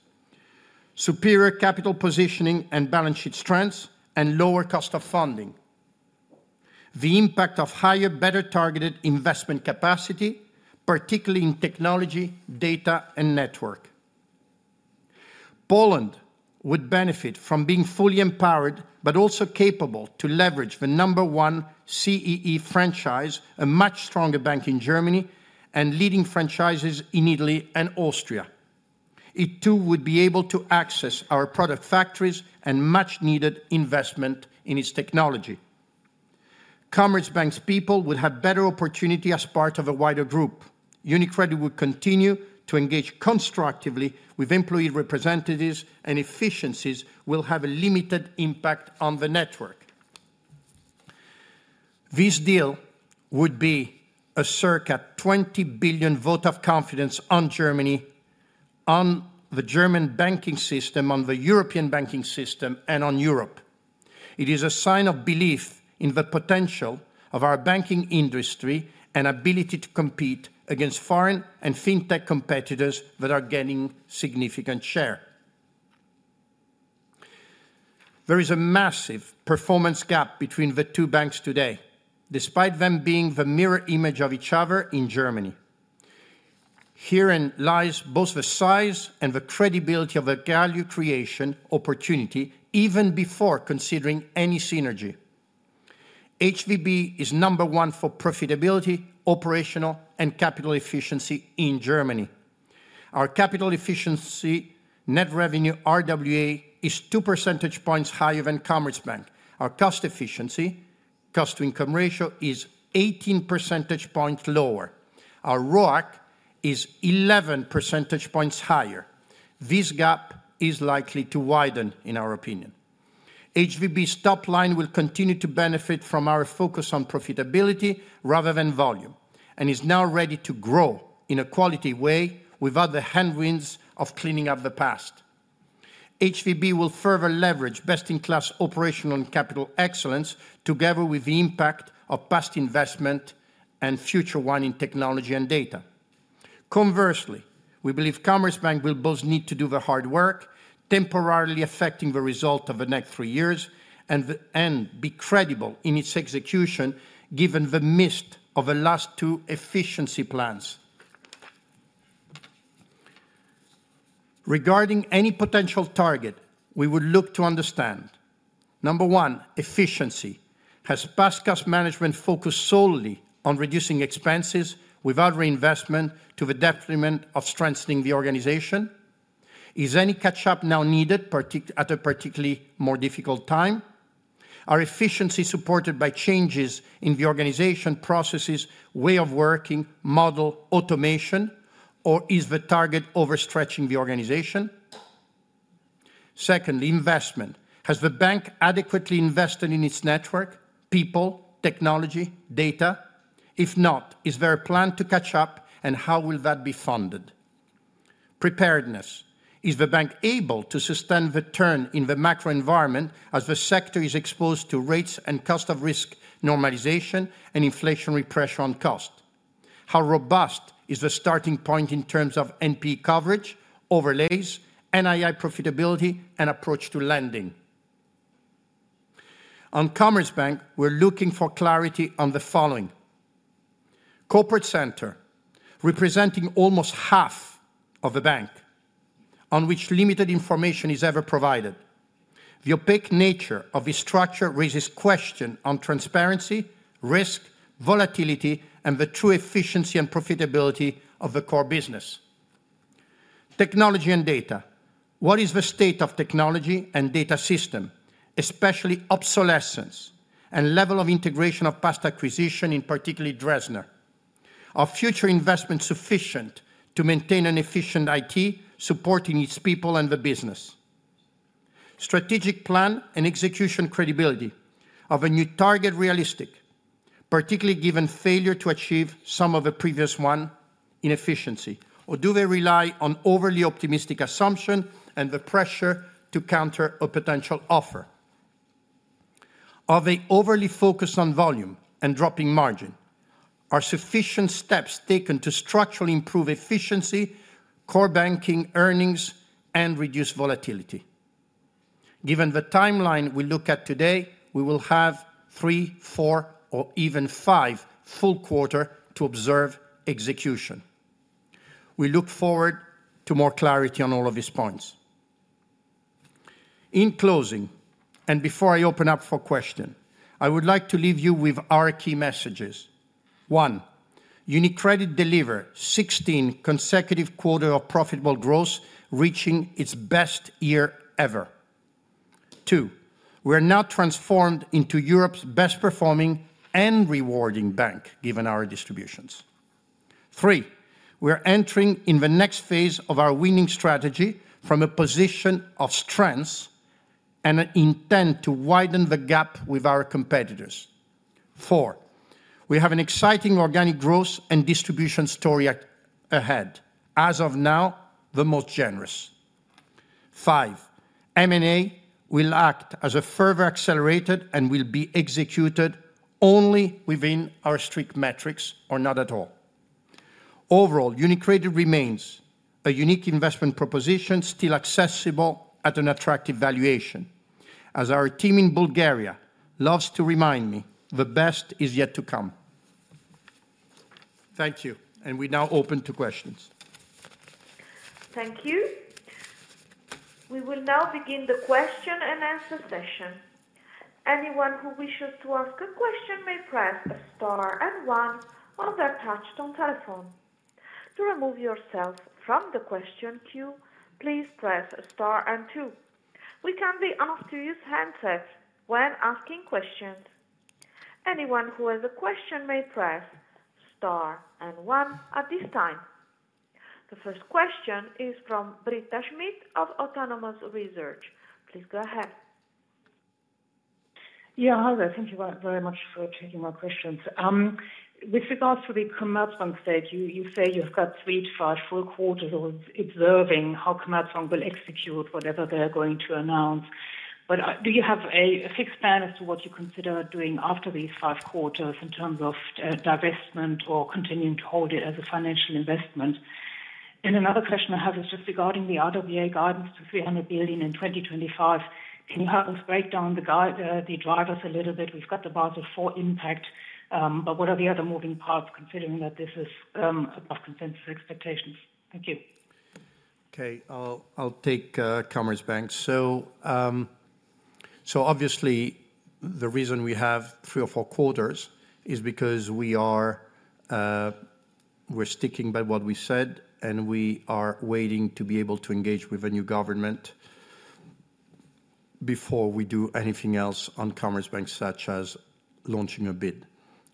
superior capital positioning and balance sheet strengths, and lower cost of funding. The impact of higher, better targeted investment capacity, particularly in technology, data, and network. Poland would benefit from being fully empowered, but also capable to leverage the number one CEE franchise, a much stronger bank in Germany, and leading franchises in Italy and Austria. It too would be able to access our product factories and much-needed investment in its technology. Commerzbank's people would have better opportunity as part of a wider group. UniCredit would continue to engage constructively with employee representatives, and efficiencies will have a limited impact on the network. This deal would be a circa 20 billion vote of confidence on Germany, on the German banking system, on the European banking system, and on Europe. It is a sign of belief in the potential of our banking industry and ability to compete against foreign and fintech competitors that are gaining significant share. There is a massive performance gap between the two banks today, despite them being the mirror image of each other in Germany. Herein lies both the size and the credibility of the value creation opportunity, even before considering any synergy. HVB is number one for profitability, operational, and capital efficiency in Germany. Our capital efficiency net revenue RWA is two percentage points higher than Commerzbank. Our cost efficiency, cost to income ratio, is 18 percentage points lower. Our ROAC is 11 percentage points higher. This gap is likely to widen, in our opinion. HVB's top line will continue to benefit from our focus on profitability rather than volume and is now ready to grow in a quality way without the headwinds of cleaning up the past. HVB will further leverage best-in-class operational and capital excellence together with the impact of past investment and future ones in technology and data. Conversely, we believe Commerzbank will both need to do the hard work, temporarily affecting the results of the next three years, and be credible in its execution, given the misses of the last two efficiency plans. Regarding any potential target, we would look to understand: Number one, efficiency. Has the bank's management focused solely on reducing expenses without reinvestment to the detriment of strengthening the organization? Is any catch-up now needed at a particularly more difficult time? Are efficiencies supported by changes in the organization processes, way of working, model, automation, or is the target overstretching the organization? Secondly, investment. Has the bank adequately invested in its network, people, technology, data? If not, is there a plan to catch up, and how will that be funded? Preparedness. Is the bank able to sustain the turn in the macro environment as the sector is exposed to rates and cost of risk normalization and inflationary pressure on cost? How robust is the starting point in terms of NPE coverage, overlays, NII profitability, and approach to lending? On Commerzbank, we're looking for clarity on the following: Corporate Center, representing almost half of the bank on which limited information is ever provided. The opaque nature of the structure raises questions on transparency, risk, volatility, and the true efficiency and profitability of the core business. Technology and data. What is the state of technology and data systems, especially obsolescence and level of integration of past acquisition, in particular Dresdner? Are future investments sufficient to maintain an efficient IT supporting its people and the business? Strategic plan and execution credibility of a new target realistic, particularly given failure to achieve some of the previous one in efficiency, or do they rely on overly optimistic assumptions and the pressure to counter a potential offer? Are they overly focused on volume and dropping margin? Are sufficient steps taken to structurally improve efficiency, core banking earnings, and reduce volatility? Given the timeline we look at today, we will have three, four, or even five full quarters to observe execution. We look forward to more clarity on all of these points. In closing, and before I open up for questions, I would like to leave you with our key messages. One, UniCredit delivered 16 consecutive quarters of profitable growth, reaching its best year ever. Two, we are now transformed into Europe's best-performing and rewarding bank, given our distributions. Three, we are entering in the next phase of our winning strategy from a position of strengths and an intent to widen the gap with our competitors. Four, we have an exciting organic growth and distribution story ahead, as of now, the most generous. Five, M&A will act as a further accelerator and will be executed only within our strict metrics or not at all. Overall, UniCredit remains a unique investment proposition still accessible at an attractive valuation, as our team in Bulgaria loves to remind me, the best is yet to come. Thank you, and we now open to questions. Thank you. We will now begin the question and answer session. Anyone who wishes to ask a question may press the star and one on their touch-tone telephone. To remove yourself from the question queue, please press star and two. We ask you to use handsets when asking questions. Anyone who has a question may press star and one at this time. The first question is from Britta Schmidt of Autonomous Research. Please go ahead. Yeah, hello, thank you very much for taking my questions. With regards to the Commerzbank stake, you say you've got three to five full quarters observing how Commerzbank will execute whatever they're going to announce. But do you have a fixed plan as to what you consider doing after these five quarters in terms of divestment or continuing to hold it as a financial investment? And another question I have is just regarding the RWA guidance to 300 billion in 2025. Can you help us break down the drivers a little bit? We've got the Basel IV impact, but what are the other moving parts considering that this is above consensus expectations? Thank you. Okay, I'll take Commerzbank. So obviously, the reason we have three or four quarters is because we're sticking by what we said, and we are waiting to be able to engage with a new government before we do anything else on Commerzbank, such as launching a bid.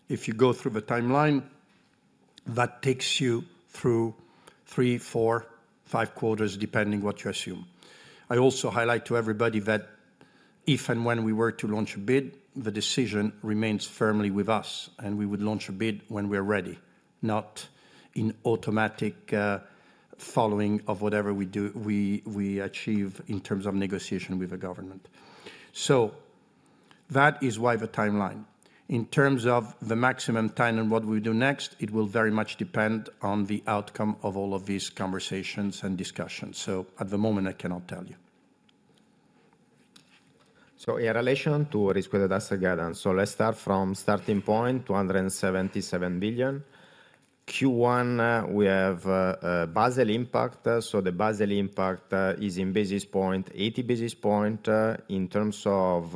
If you go through the timeline, that takes you through three, four, five quarters, depending on what you assume. I also highlight to everybody that if and when we were to launch a bid, the decision remains firmly with us, and we would launch a bid when we're ready, not in automatic following of whatever we achieve in terms of negotiation with the government. So that is why the timeline. In terms of the maximum time and what we do next, it will very much depend on the outcome of all of these conversations and discussions. So at the moment, I cannot tell you. So in relation to what is going to be the guidance, so let's start from starting point, €277 billion. Q1, we have Basel impact. So the Basel impact is in basis points, 80 basis points. In terms of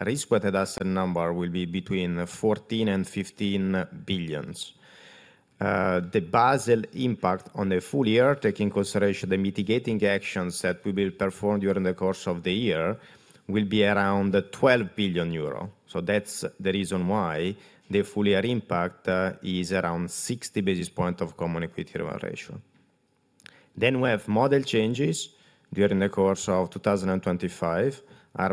risk, what it does in number will be between €14 and €15 billion. The Basel impact on the full year, taking consideration the mitigating actions that we will perform during the course of the year, will be around €12 billion. So that's the reason why the full year impact is around 60 basis points of Common Equity Tier 1 ratio. Then we have model changes during the course of 2025,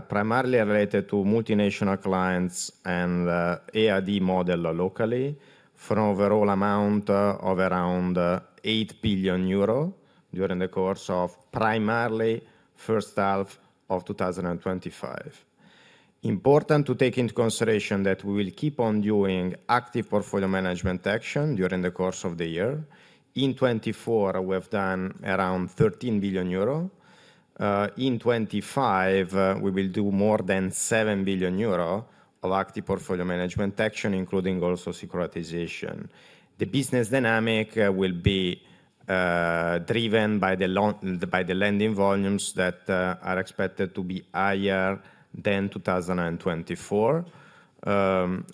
primarily related to multinational clients and AIRB model locally, for an overall amount of around eight billion euro during the course of primarily the first half of 2025. Important to take into consideration that we will keep on doing active portfolio management action during the course of the year. In 2024, we've done around 13 billion euro. In 2025, we will do more than seven billion euro of active portfolio management action, including also securitization. The business dynamic will be driven by the lending volumes that are expected to be higher than 2024,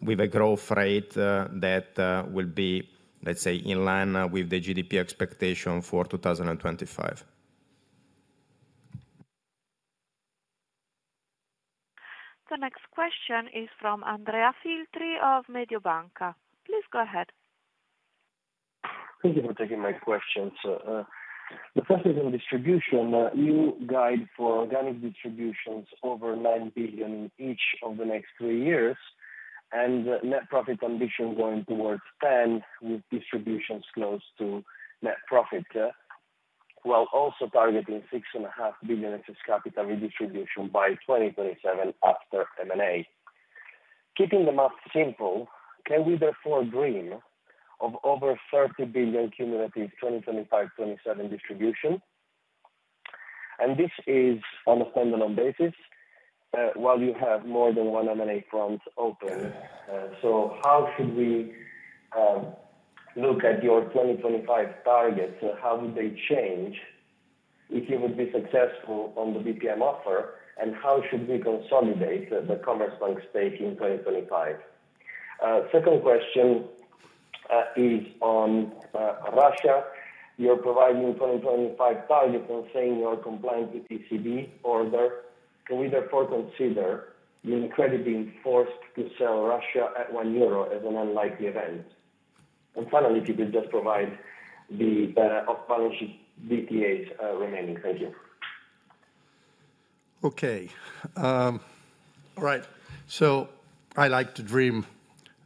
with a growth rate that will be, let's say, in line with the GDP expectation for 2025. The next question is from Andrea Filtri of Mediobanca. Please go ahead. Thank you for taking my questions. The first is on distribution. Your guidance for organic distributions over 9 billion each over the next three years, and net profit ambition going towards 10 with distributions close to net profit, while also targeting 6.5 billion excess capital redistribution by 2027 after M&A. Keeping the math simple, can we therefore dream of over 30 billion cumulative 2025-2027 distribution? And this is on a standalone basis while you have more than one M&A front open. So how should we look at your 2025 targets? How would they change if you would be successful on the BPM offer? And how should we consolidate the Commerzbank stake in 2025? Second question is on Russia. You're providing 2025 targets and saying you're compliant with ECB order. Can we therefore consider UniCredit being forced to sell Russia at 1 euro as an unlikely event? And finally, if you could just provide the off-balance sheet DTAs remaining. Thank you. Okay. All right. So I like to dream,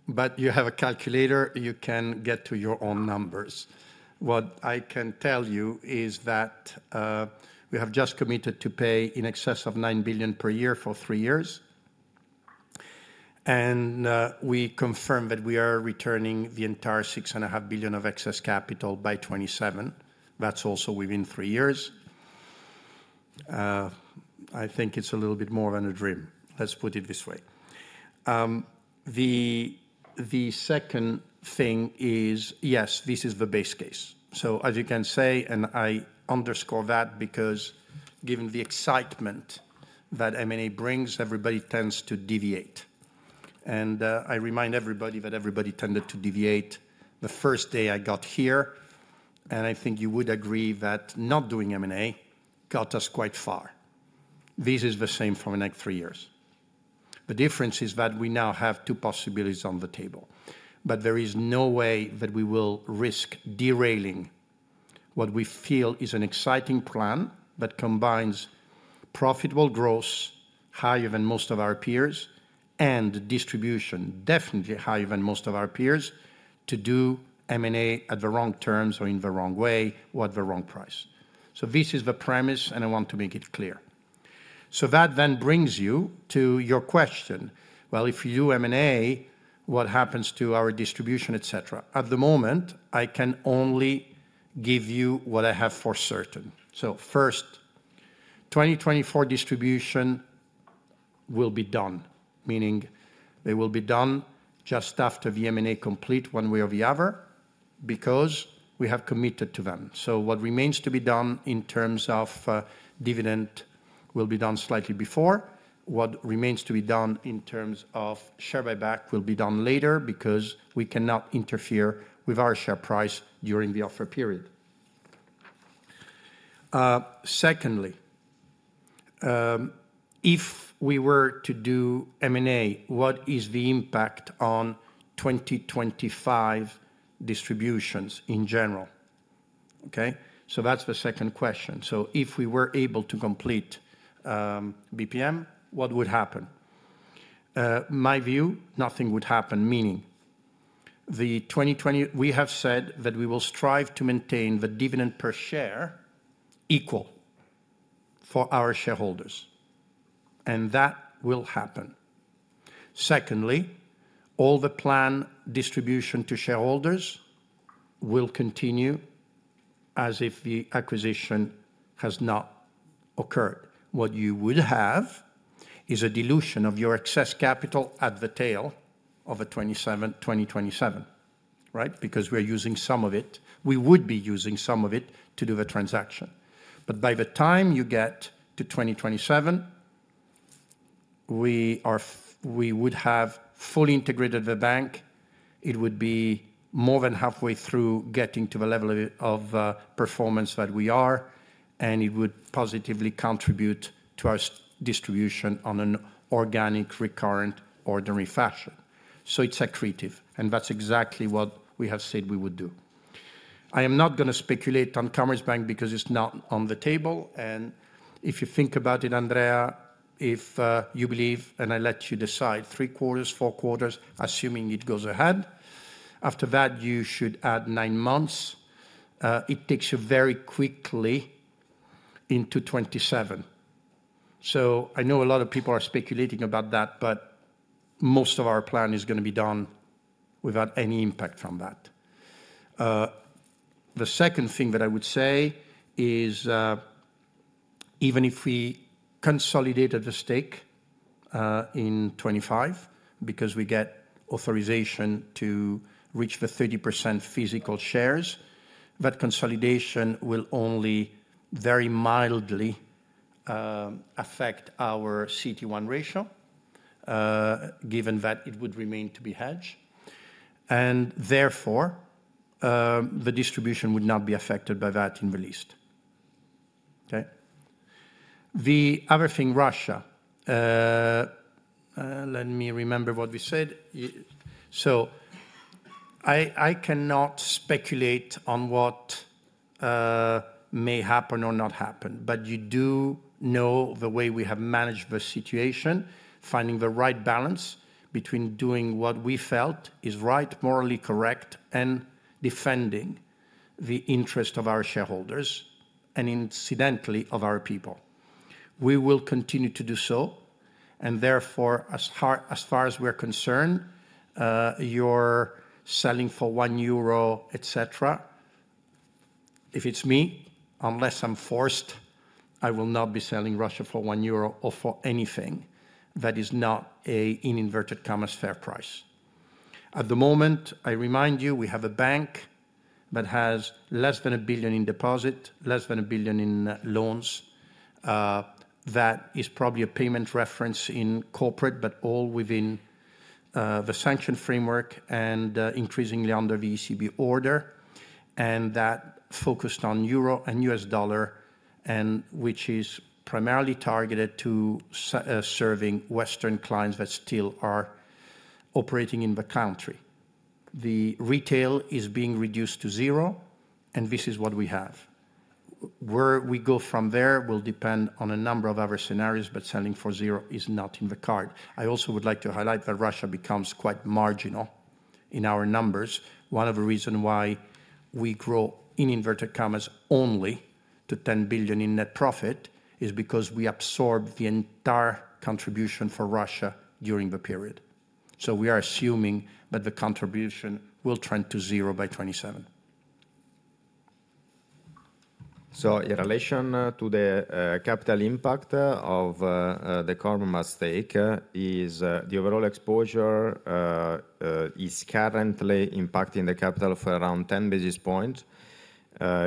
but you have a calculator. You can get to your own numbers. What I can tell you is that we have just committed to pay in excess of 9 billion per year for three years. And we confirm that we are returning the entire 6.5 billion of excess capital by 2027. That's also within three years. I think it's a little bit more than a dream. Let's put it this way. The second thing is, yes, this is the base case. So as you can say, and I underscore that because given the excitement that M&A brings, everybody tends to deviate. And I remind everybody that everybody tended to deviate the first day I got here. And I think you would agree that not doing M&A got us quite far. This is the same for the next three years. The difference is that we now have two possibilities on the table. But there is no way that we will risk derailing what we feel is an exciting plan that combines profitable growth, higher than most of our peers, and distribution, definitely higher than most of our peers, to do M&A at the wrong terms or in the wrong way or at the wrong price. So this is the premise, and I want to make it clear. So that then brings you to your question. Well, if you do M&A, what happens to our distribution, etc.? At the moment, I can only give you what I have for certain. So first, 2024 distribution will be done, meaning they will be done just after the M&A complete one way or the other because we have committed to them. So, what remains to be done in terms of dividend will be done slightly before. What remains to be done in terms of share buyback will be done later because we cannot interfere with our share price during the offer period. Secondly, if we were to do M&A, what is the impact on 2025 distributions in general? Okay? So that's the second question. So if we were able to complete BPM, what would happen? My view, nothing would happen, meaning we have said that we will strive to maintain the dividend per share equal for our shareholders, and that will happen. Secondly, all the planned distribution to shareholders will continue as if the acquisition has not occurred. What you would have is a dilution of your excess capital at the tail of 2027, right? Because we're using some of it. We would be using some of it to do the transaction, but by the time you get to 2027, we would have fully integrated the bank. It would be more than halfway through getting to the level of performance that we are, and it would positively contribute to our distribution on an organic, recurrent, ordinary fashion, so it's accretive, and that's exactly what we have said we would do. I am not going to speculate on Commerzbank because it's not on the table, and if you think about it, Andrea, if you believe, and I let you decide, three quarters, four quarters, assuming it goes ahead, after that, you should add nine months. It takes you very quickly into 2027, so I know a lot of people are speculating about that, but most of our plan is going to be done without any impact from that. The second thing that I would say is even if we consolidate the stake in 2025 because we get authorization to reach the 30% physical shares, that consolidation will only very mildly affect our CET1 ratio, given that it would remain to be hedged, and therefore, the distribution would not be affected by that in the least. Okay? The other thing, Russia, let me remember what we said, so I cannot speculate on what may happen or not happen, but you do know the way we have managed the situation, finding the right balance between doing what we felt is right, morally correct, and defending the interest of our shareholders and, incidentally, of our people. We will continue to do so, and therefore, as far as we're concerned, you're selling for 1 euro, etc. If it's me, unless I'm forced, I will not be selling Russia for €1 or for anything that is not an arm's length commercial fair price. At the moment, I remind you, we have a bank that has less than a billion in deposits, less than a billion in loans. That is probably a payments revenue in corporate, but all within the sanctions framework and increasingly under the ECB order, and that's focused on euro and U.S. dollar, which is primarily targeted to serving Western clients that still are operating in the country. The retail is being reduced to zero, and this is what we have. Where we go from there will depend on a number of other scenarios, but selling for zero is not in the cards. I also would like to highlight that Russia becomes quite marginal in our numbers. One of the reasons why we grow in inverted commas only to €10 billion in net profit is because we absorbed the entire contribution for Russia during the period. So we are assuming that the contribution will trend to zero by 2027. So in relation to the capital impact of the Commerzbank stake, the overall exposure is currently impacting the capital for around 10 basis points.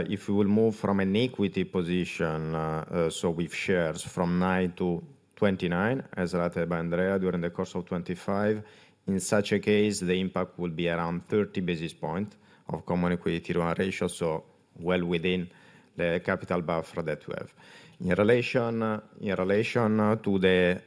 If we will move from an equity position, so with shares from 9 to 29, as stated by Andrea, during the course of 2025, in such a case, the impact will be around 30 basis points of Common Equity Tier 1 ratio, so well within the capital buffer that we have. In relation to the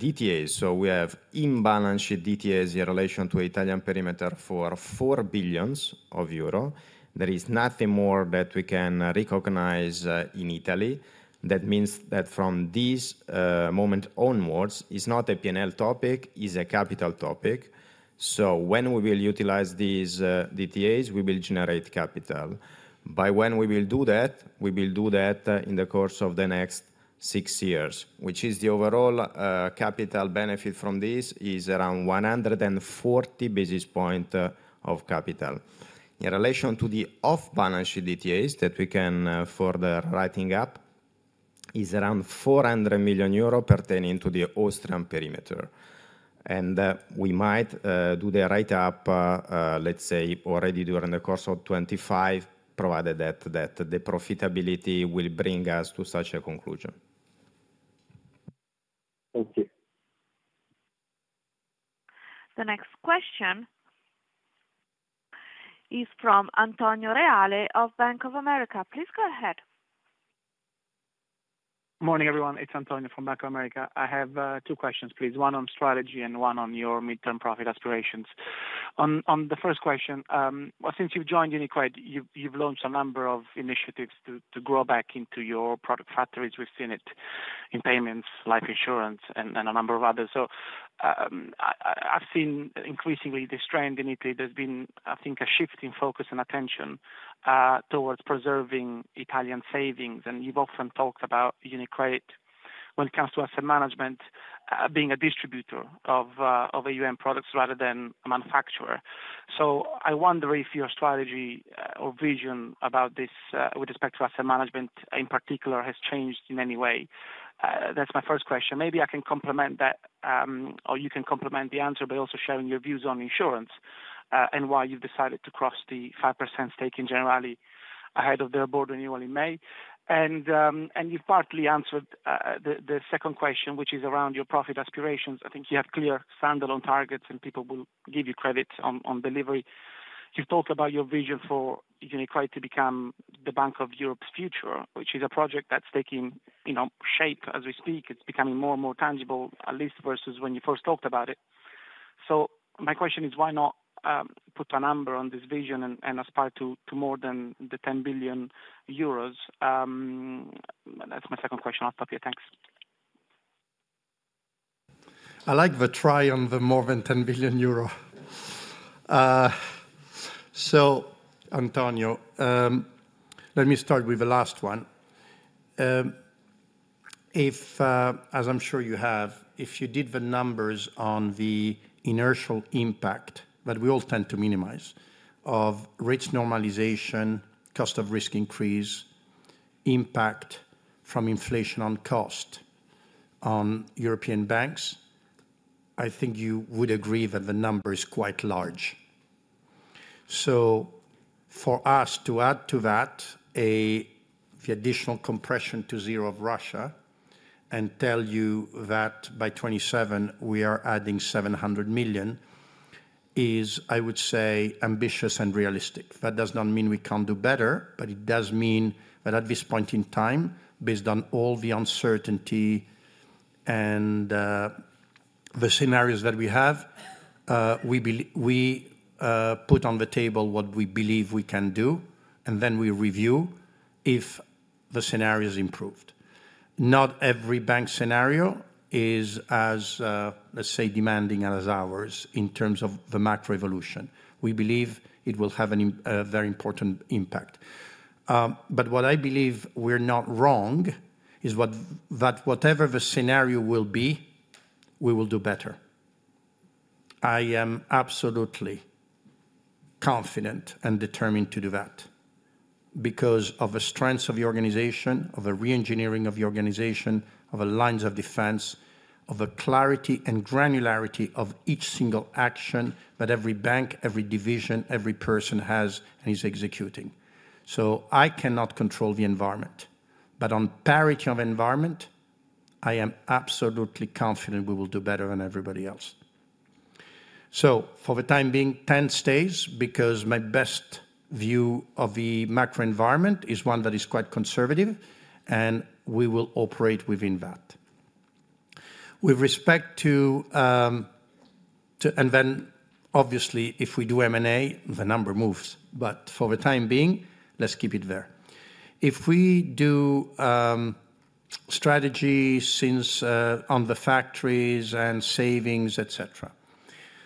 DTAs, so we have on-balance sheet DTAs in relation to Italian perimeter for €4 billion of euro. There is nothing more that we can recognize in Italy. That means that from this moment onwards, it's not a P&L topic, it's a capital topic. So when we will utilize these DTAs, we will generate capital. By when we will do that, we will do that in the course of the next six years, which is the overall capital benefit from this is around 140 basis points of capital. In relation to the off-balance sheet DTAs that we can further write up, it's around €400 million pertaining to the Austrian perimeter. And we might do the write-up, let's say, already during the course of 2025, provided that the profitability will bring us to such a conclusion. Thank you. The next question is from Antonio Reale of Bank of America. Please go ahead. Morning, everyone. It's Antonio from Bank of America. I have two questions, please. One on strategy and one on your midterm profit aspirations. On the first question, since you've joined UniCredit, you've launched a number of initiatives to grow back into your product factories. We've seen it in payments, life insurance, and a number of others. So I've seen increasingly this trend in Italy. There's been, I think, a shift in focus and attention towards preserving Italian savings. And you've often talked about UniCredit when it comes to asset management being a distributor of AUM products rather than a manufacturer. So I wonder if your strategy or vision about this with respect to asset management in particular has changed in any way. That's my first question. Maybe I can complement that, or you can complement the answer, but also sharing your views on insurance and why you've decided to cross the 5% stake in Generali ahead of the board renewal in May. You've partly answered the second question, which is around your profit aspirations. I think you have clear standalone targets, and people will give you credit on delivery. You've talked about your vision for UniCredit to become the Bank of Europe's future, which is a project that's taking shape as we speak. It's becoming more and more tangible, at least versus when you first talked about it. So my question is, why not put a number on this vision and aspire to more than 10 billion euros? That's my second question. I'll stop here. Thanks. I like the try on the more than 10 billion euro. So, Antonio, let me start with the last one. As I'm sure you have, if you did the numbers on the inertial impact that we all tend to minimize of rates normalization, cost of risk increase, impact from inflation on cost on European banks, I think you would agree that the number is quite large. So for us to add to that the additional compression to zero of Russia and tell you that by 2027, we are adding €700 million is, I would say, ambitious and realistic. That does not mean we can't do better, but it does mean that at this point in time, based on all the uncertainty and the scenarios that we have, we put on the table what we believe we can do, and then we review if the scenario is improved. Not every bank scenario is as, let's say, demanding as ours in terms of the macro evolution. We believe it will have a very important impact. But what I believe we're not wrong is that whatever the scenario will be, we will do better. I am absolutely confident and determined to do that because of the strengths of the organization, of the re-engineering of the organization, of the lines of defense, of the clarity and granularity of each single action that every bank, every division, every person has and is executing. So I cannot control the environment. But on parity of environment, I am absolutely confident we will do better than everybody else. So for the time being, 10 stays because my best view of the macro environment is one that is quite conservative, and we will operate within that. With respect to, and then obviously, if we do M&A, the number moves. But for the time being, let's keep it there. If we do strategy on the factoring and savings, etc.,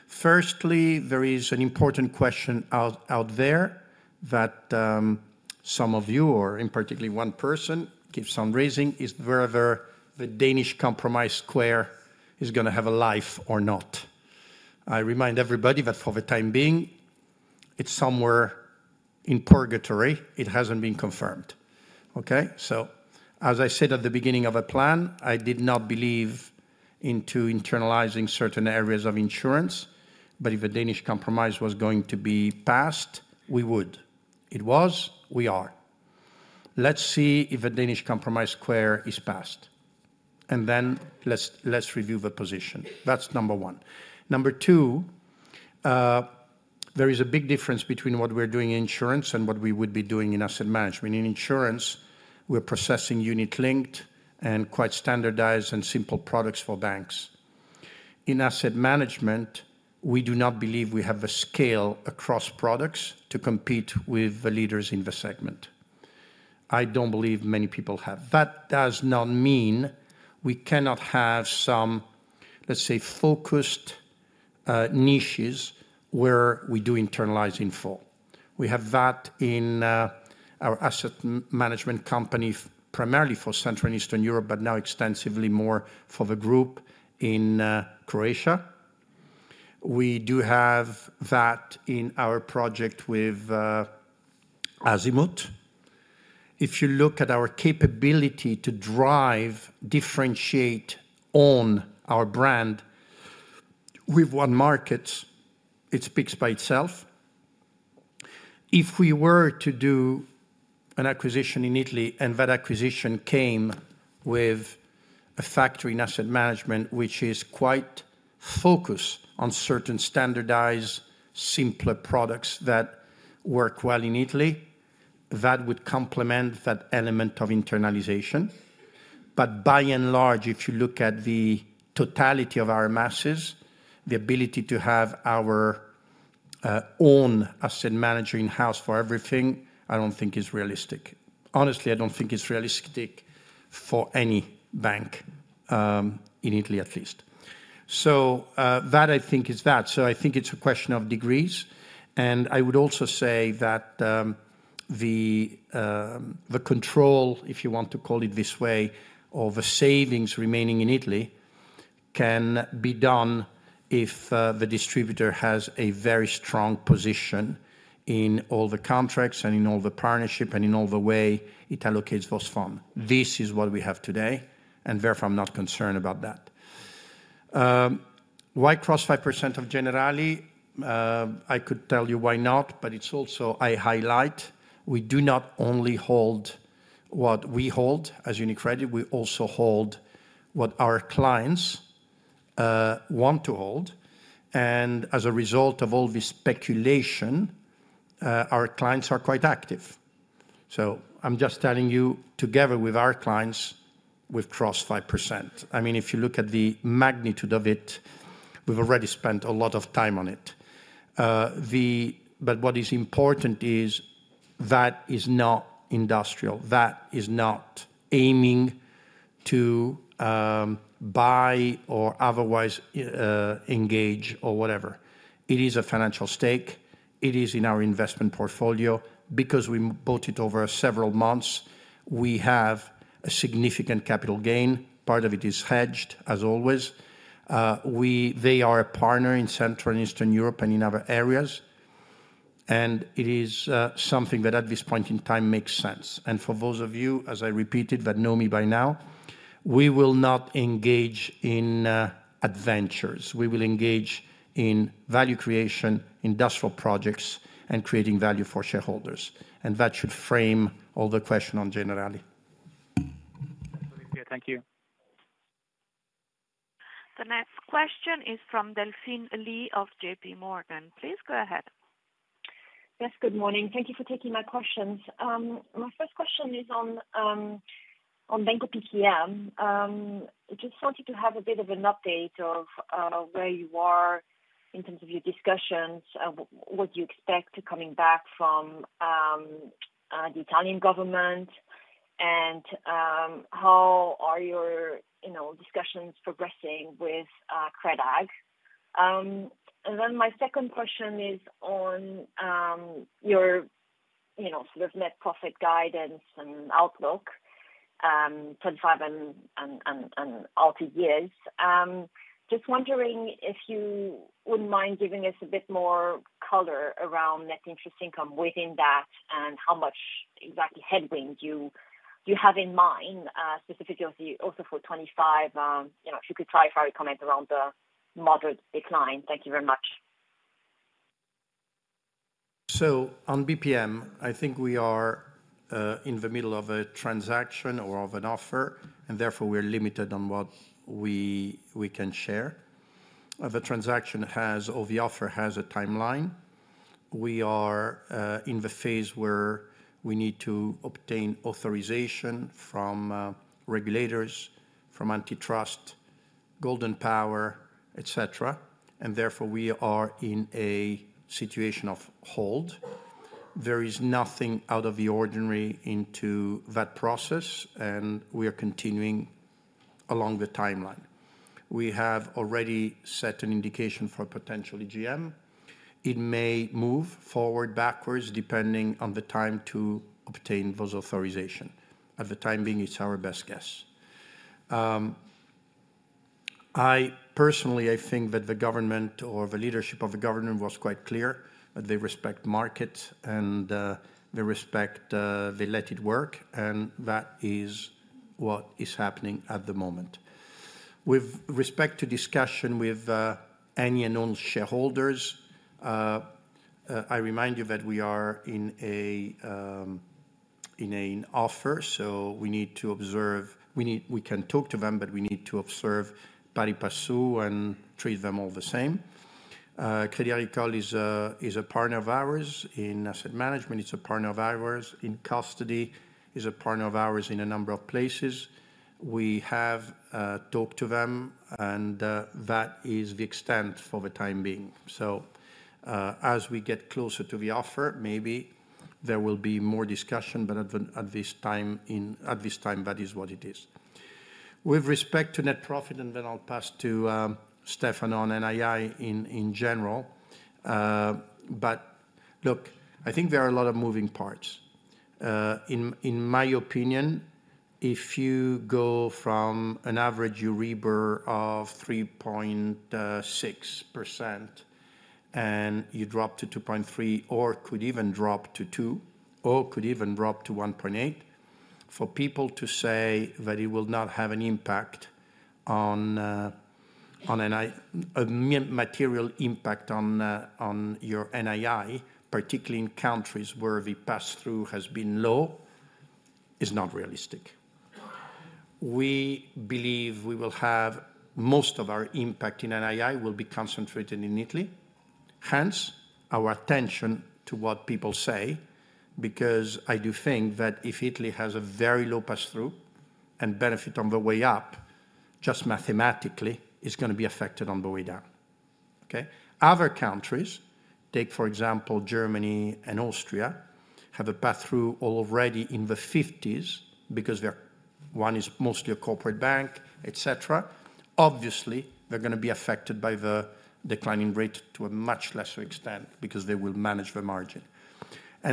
firstly, there is an important question out there that some of you, or in particular one person, has asked is whether the Danish Compromise is going to have a life or not. I remind everybody that for the time being, it's somewhere in purgatory. It hasn't been confirmed. Okay? So as I said at the beginning of the plan, I did not believe in internalizing certain areas of insurance, but if the Danish Compromise was going to be passed, we would. It was, we are. Let's see if the Danish Compromise is passed, and then let's review the position. That's number one. Number two, there is a big difference between what we're doing in insurance and what we would be doing in asset management. In insurance, we're processing unit-linked and quite standardized and simple products for banks. In asset management, we do not believe we have the scale across products to compete with the leaders in the segment. I don't believe many people have. That does not mean we cannot have some, let's say, focused niches where we do internalize in full. We have that in our asset management company, primarily for Central and Eastern Europe, but now extensively more for the group in Croatia. We do have that in our project with Azimut. If you look at our capability to drive, differentiate on our brand with onemarkets, it speaks by itself. If we were to do an acquisition in Italy and that acquisition came with a factory in asset management, which is quite focused on certain standardized, simpler products that work well in Italy, that would complement that element of internalization. But by and large, if you look at the totality of our masses, the ability to have our own asset manager in-house for everything, I don't think is realistic. Honestly, I don't think it's realistic for any bank in Italy, at least. So that, I think, is that. So I think it's a question of degrees. And I would also say that the control, if you want to call it this way, of the savings remaining in Italy can be done if the distributor has a very strong position in all the contracts and in all the partnership and in all the way it allocates those funds. This is what we have today, and therefore, I'm not concerned about that. Why cross 5% of Generali? I could tell you why not, but it's also I highlight we do not only hold what we hold as UniCredit. We also hold what our clients want to hold. And as a result of all this speculation, our clients are quite active. So I'm just telling you, together with our clients, we've crossed 5%. I mean, if you look at the magnitude of it, we've already spent a lot of time on it. But what is important is that is not industrial. That is not aiming to buy or otherwise engage or whatever. It is a financial stake. It is in our investment portfolio. Because we bought it over several months, we have a significant capital gain. Part of it is hedged, as always. They are a partner in Central and Eastern Europe and in other areas. And it is something that at this point in time makes sense. And for those of you, as I repeated, that know me by now, we will not engage in adventures. We will engage in value creation, industrial projects, and creating value for shareholders. That should frame all the questions on Generali. Thank you. The next question is from Delphine Lee of JPMorgan. Please go ahead. Yes, good morning. Thank you for taking my questions. My first question is on Banco BPM. I just wanted to have a bit of an update of where you are in terms of your discussions, what you expect coming back from the Italian government, and how are your discussions progressing with Crédit Agricole? And then my second question is on your sort of net profit guidance and outlook for 2025 and 2030. Just wondering if you wouldn't mind giving us a bit more color around net interest income within that and how much exactly headwind you have in mind, specifically also for 2025, if you could clarify your comments around the moderate decline. Thank you very much. so on BPM, I think we are in the middle of a transaction or of an offer, and therefore, we are limited on what we can share. The transaction has or the offer has a timeline. We are in the phase where we need to obtain authorization from regulators, from antitrust, Golden Power, etc. And therefore, we are in a situation of hold. There is nothing out of the ordinary into that process, and we are continuing along the timeline. We have already set an indication for a potential EGM. It may move forward, backwards, depending on the time to obtain those authorizations. For the time being, it's our best guess. Personally, I think that the government or the leadership of the government was quite clear that they respect markets and they respect they let it work, and that is what is happening at the moment. With respect to discussion with any and all shareholders, I remind you that we are in an offer, so we need to observe. We can talk to them, but we need to observe pari passu and treat them all the same. Crédit Agricole is a partner of ours in asset management. It's a partner of ours in custody. It's a partner of ours in a number of places. We have talked to them, and that is the extent for the time being. So as we get closer to the offer, maybe there will be more discussion, but at this time, that is what it is. With respect to net profit, and then I'll pass to Stefano on NII in general. But look, I think there are a lot of moving parts. In my opinion, if you go from an average Euribor of 3.6% and you drop to 2.3% or could even drop to 2% or could even drop to 1.8%, for people to say that it will not have a material impact on your NII, particularly in countries where the pass-through has been low, is not realistic. We believe most of our impact in NII will be concentrated in Italy. Hence, pay attention to what people say, because I do think that if Italy has a very low pass-through and benefit on the way up, just mathematically, it's going to be affected on the way down. Okay? Other countries, take for example, Germany and Austria, have a pass-through already in the 50s because one is mostly a corporate bank, etc. Obviously, they're going to be affected by the declining rate to a much lesser extent because they will manage the margin.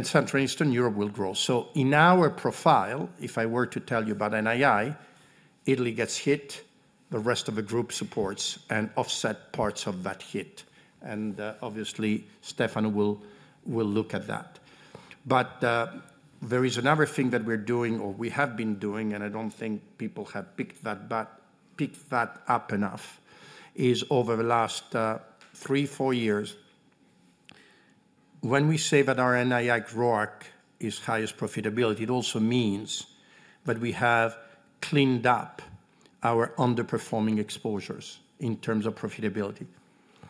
Central and Eastern Europe will grow. In our profile, if I were to tell you about NII, Italy gets hit, the rest of the group supports and offsets parts of that hit. Obviously, Stefano will look at that. There is another thing that we're doing or we have been doing, and I don't think people have picked that up enough, is over the last three, four years, when we say that our NII growth is highest profitability, it also means that we have cleaned up our underperforming exposures in terms of profitability.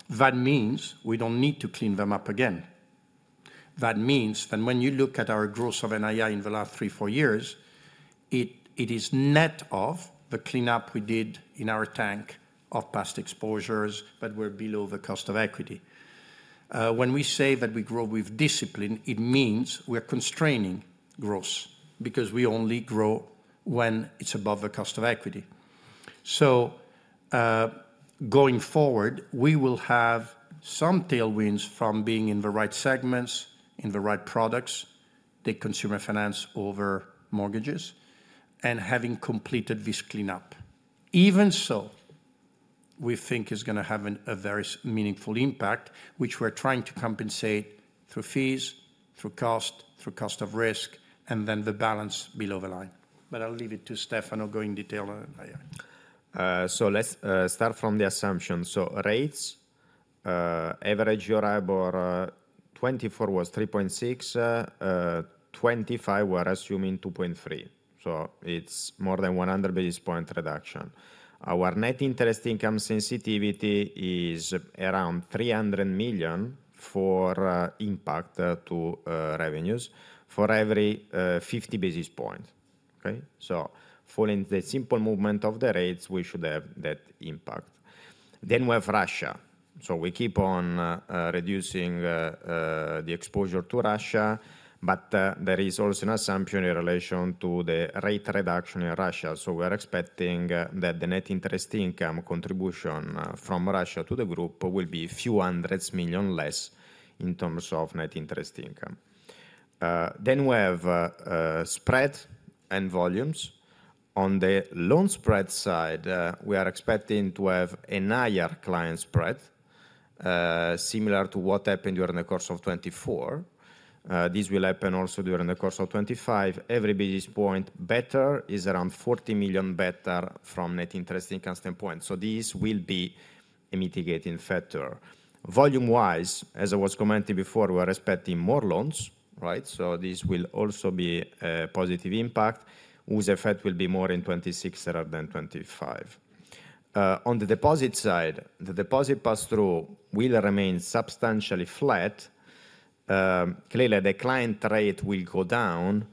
That means we don't need to clean them up again. That means that when you look at our growth of NII in the last three, four years, it is net of the cleanup we did in our stock of past exposures, but we're below the cost of equity. When we say that we grow with discipline, it means we're constraining growth because we only grow when it's above the cost of equity so going forward, we will have some tailwinds from being in the right segments, in the right products, the consumer finance over mortgages, and having completed this cleanup. Even so, we think it's going to have a very meaningful impact, which we're trying to compensate through fees, through cost, through cost of risk, and then the balance below the line but I'll leave it to Stefano to go in detail so let's start from the assumption. Rates, average EURIBOR 2024 was 3.6%, 2025 we're assuming 2.3%. It's more than 100 basis points reduction. Our net interest income sensitivity is around 300 million for impact to revenues for every 50 basis points. Okay? So following the simple movement of the rates, we should have that impact. Then we have Russia. So we keep on reducing the exposure to Russia, but there is also an assumption in relation to the rate reduction in Russia. So we're expecting that the net interest income contribution from Russia to the group will be a few hundreds of million less in terms of net interest income. Then we have spread and volumes. On the loan spread side, we are expecting to have a higher client spread, similar to what happened during the course of 2024. This will happen also during the course of 2025. Every basis point better is around 40 million better from net interest income standpoint. So this will be a mitigating factor. Volume-wise, as I was commenting before, we are expecting more loans, right? So this will also be a positive impact. The effect will be more in 2026 rather than 2025. On the deposit side, the deposit pass-through will remain substantially flat. Clearly, the client rate will go down,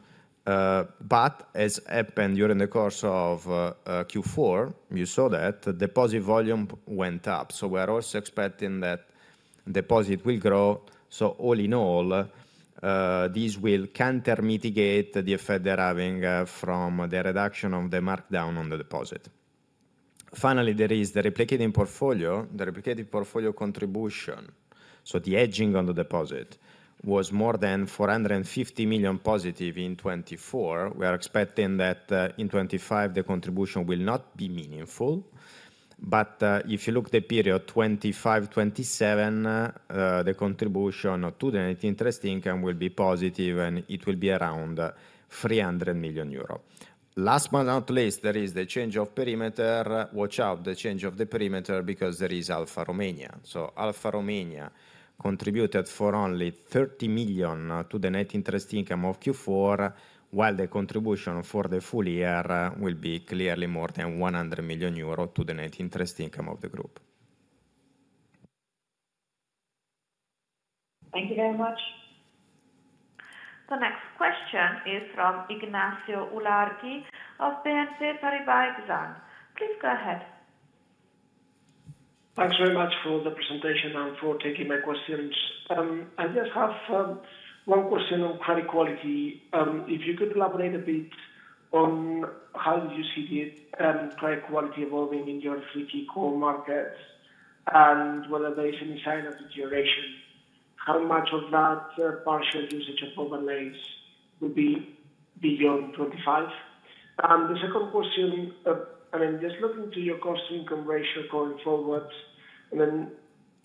but as happened during the course of Q4, you saw that the deposit volume went up. So we are also expecting that deposit will grow. So all in all, these will counter mitigate the effect they're having from the reduction of the markdown on the deposit. Finally, there is the replicating portfolio, the replicating portfolio contribution. So the hedging on the deposit was more than 450 million positive in 2024. We are expecting that in 2025, the contribution will not be meaningful. But if you look at the period 2025-2027, the contribution to the net interest income will be positive, and it will be around 300 million euro. Last but not least, there is the change of perimeter. Watch out, the change of the perimeter because there is Alpha Bank Romania. So Alpha Bank Romania contributed for only 30 million to the net interest income of Q4, while the contribution for the full year will be clearly more than 100 million euro to the net interest income of the group. Thank you very much. The next question is from Ignacio Ulargui of BNP Paribas Exane. Please go ahead. Thanks very much for the presentation and for taking my questions. I just have one question on credit quality. If you could elaborate a bit on how do you see the credit quality evolving in your three key core markets and whether there is any sign of deterioration, how much of that partial usage of overlays will be beyond 2025? And the second question, I mean, just looking to your cost income ratio going forward, and then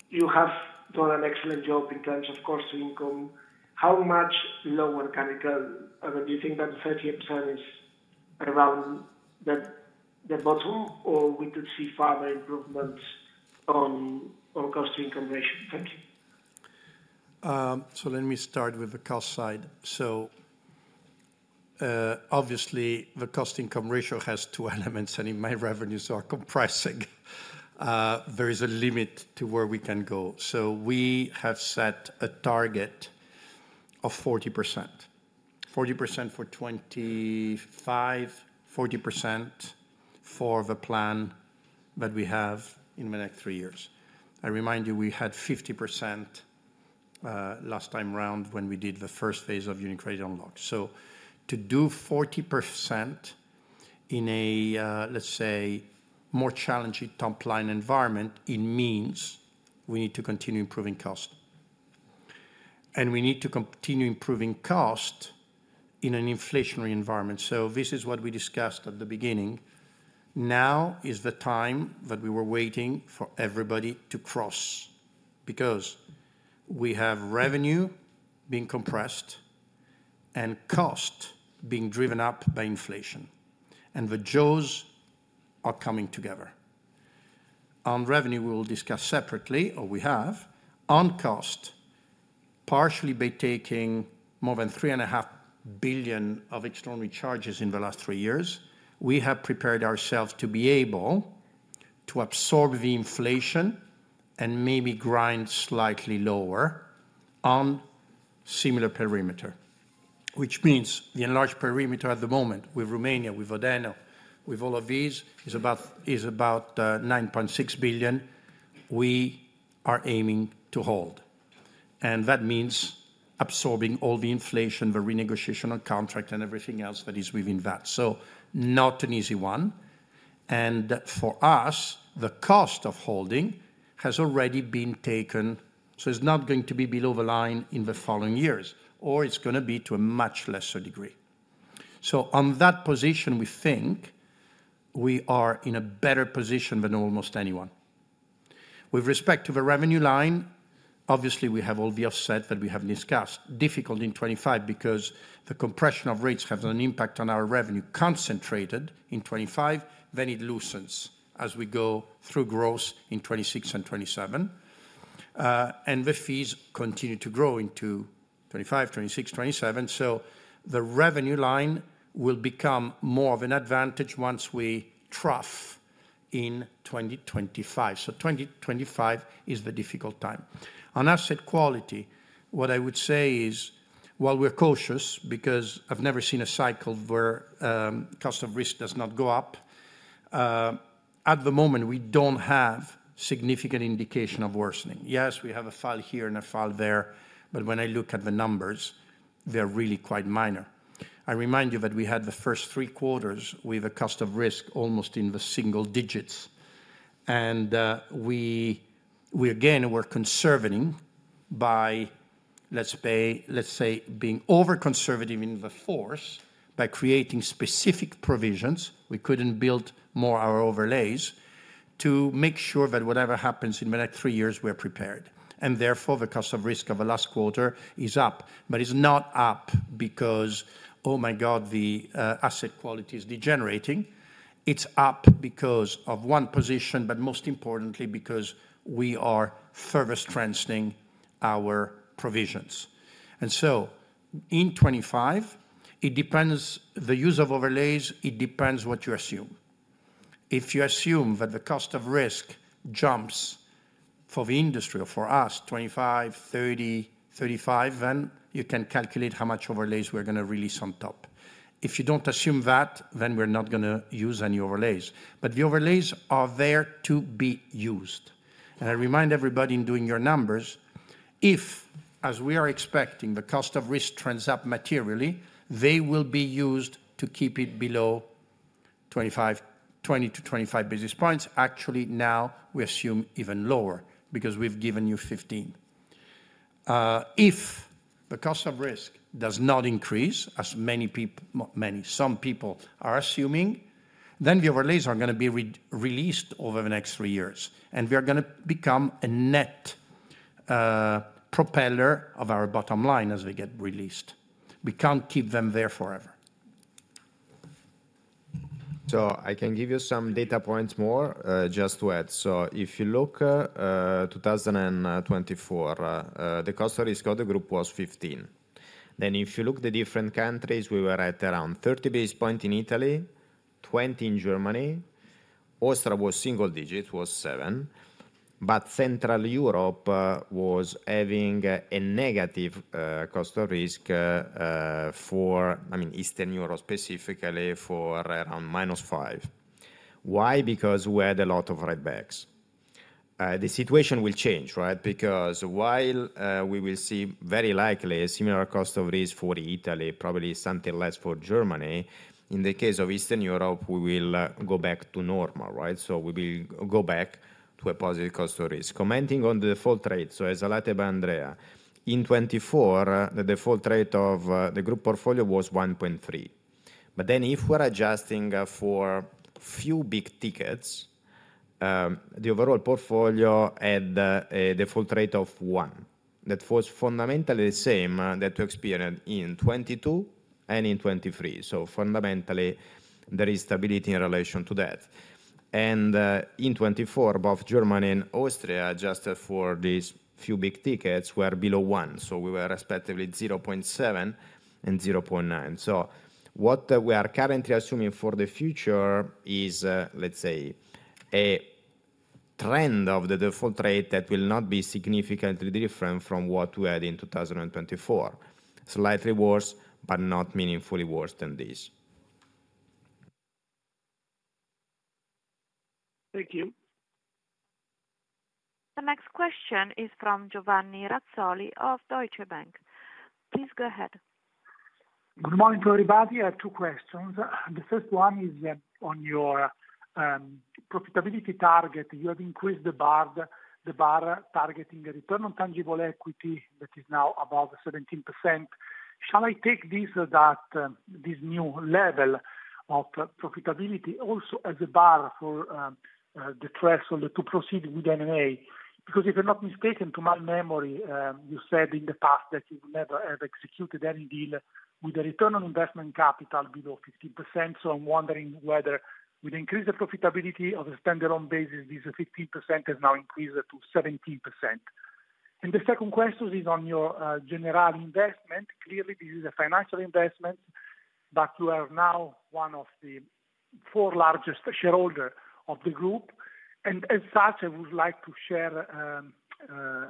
you have done an excellent job in terms of cost income, how much lower can it go? I mean, do you think that 30% is around the bottom, or we could see further improvements on cost income ratio? Thank you. So let me start with the cost side. So obviously, the cost income ratio has two elements, and in my revenues are comprising. There is a limit to where we can go. We have set a target of 40%, 40% for 2025, 40% for the plan that we have in the next three years. I remind you, we had 50% last time around when we did the first phase of UniCredit Unlocked. To do 40% in a, let's say, more challenging top-line environment, it means we need to continue improving cost. We need to continue improving cost in an inflationary environment. This is what we discussed at the beginning. Now is the time that we were waiting for everybody to cross because we have revenue being compressed and cost being driven up by inflation. The jaws are coming together. On revenue, we will discuss separately, or we have. On cost, partially by taking more than 3.5 billion of extraordinary charges in the last three years, we have prepared ourselves to be able to absorb the inflation and maybe grind slightly lower on similar perimeter, which means the enlarged perimeter at the moment with Romania, with Vodeno, with all of these is about 9.6 billion we are aiming to hold. And that means absorbing all the inflation, the renegotiation of contract, and everything else that is within that. So not an easy one. And for us, the cost of holding has already been taken. So it's not going to be below the line in the following years, or it's going to be to a much lesser degree. So on that position, we think we are in a better position than almost anyone. With respect to the revenue line, obviously, we have all the offsets that we have discussed. Difficult in 2025 because the compression of rates has an impact on our revenue concentrated in 2025, then it loosens as we go through growth in 2026 and 2027. And the fees continue to grow into 2025, 2026, 2027. So the revenue line will become more of an advantage once we trough in 2025. So 2025 is the difficult time. On asset quality, what I would say is, while we're cautious because I've never seen a cycle where cost of risk does not go up, at the moment, we don't have significant indication of worsening. Yes, we have a file here and a file there, but when I look at the numbers, they're really quite minor. I remind you that we had the first three quarters with a cost of risk almost in the single digits, and we, again, were conservative by, let's say, being over-conservative in the fourth by creating specific provisions. We couldn't build more of our overlays to make sure that whatever happens in the next three years, we're prepared, and therefore, the cost of risk of the last quarter is up, but it's not up because, oh my God, the asset quality is degenerating. It's up because of one position, but most importantly, because we are further strengthening our provisions, and so in 2025, it depends on the use of overlays. It depends on what you assume. If you assume that the cost of risk jumps for the industry or for us, 25, 30, 35, then you can calculate how much overlays we're going to release on top. If you don't assume that, then we're not going to use any overlays, but the overlays are there to be used. I remind everybody in doing your numbers, if, as we are expecting, the cost of risk trends up materially, they will be used to keep it below 20-25 basis points. Actually, now we assume even lower because we've given you 15. If the cost of risk does not increase, as many people, some people are assuming, then the overlays are going to be released over the next three years. We are going to become a net propeller of our bottom line as we get released. We can't keep them there forever. I can give you some data points more just to add. If you look at 2024, the cost of risk of the group was 15. Then if you look at the different countries, we were at around 30 basis points in Italy, 20 in Germany. Austria was single digit, was seven. But Central Europe was having a negative cost of risk for, I mean, Eastern Europe specifically for around minus five. Why? Because we had a lot of write-backs. The situation will change, right? Because while we will see very likely a similar cost of risk for Italy, probably something less for Germany, in the case of Eastern Europe, we will go back to normal, right? So we will go back to a positive cost of risk. Commenting on the default rate, so as I'll add to Andrea, in 2024, the default rate of the group portfolio was 1.3. But then if we're adjusting for a few big tickets, the overall portfolio had a default rate of one. That was fundamentally the same that we experienced in 2022 and in 2023. Fundamentally, there is stability in relation to that. In 2024, both Germany and Austria, adjusted for these few big tickets, were below one. So we were respectively 0.7 and 0.9. So what we are currently assuming for the future is, let's say, a trend of the default rate that will not be significantly different from what we had in 2024. Slightly worse, but not meaningfully worse than this. Thank you. The next question is from Giovanni Razzoli of Deutsche Bank. Please go ahead. Good morning, everybody. I have two questions. The first one is on your profitability target. You have increased the bar targeting the return on tangible equity that is now about 17%. Shall I take this or that, this new level of profitability also as a bar for the threshold to proceed with NMA? Because if I'm not mistaken, to my memory, you said in the past that you've never ever executed any deal with a Return on Invested Capital below 15%. So I'm wondering whether with increased profitability on a standalone basis, this 15% has now increased to 17%. And the second question is on your Generali investment. Clearly, this is a financial investment, but you are now one of the four largest shareholders of the group. And as such, I would like to share,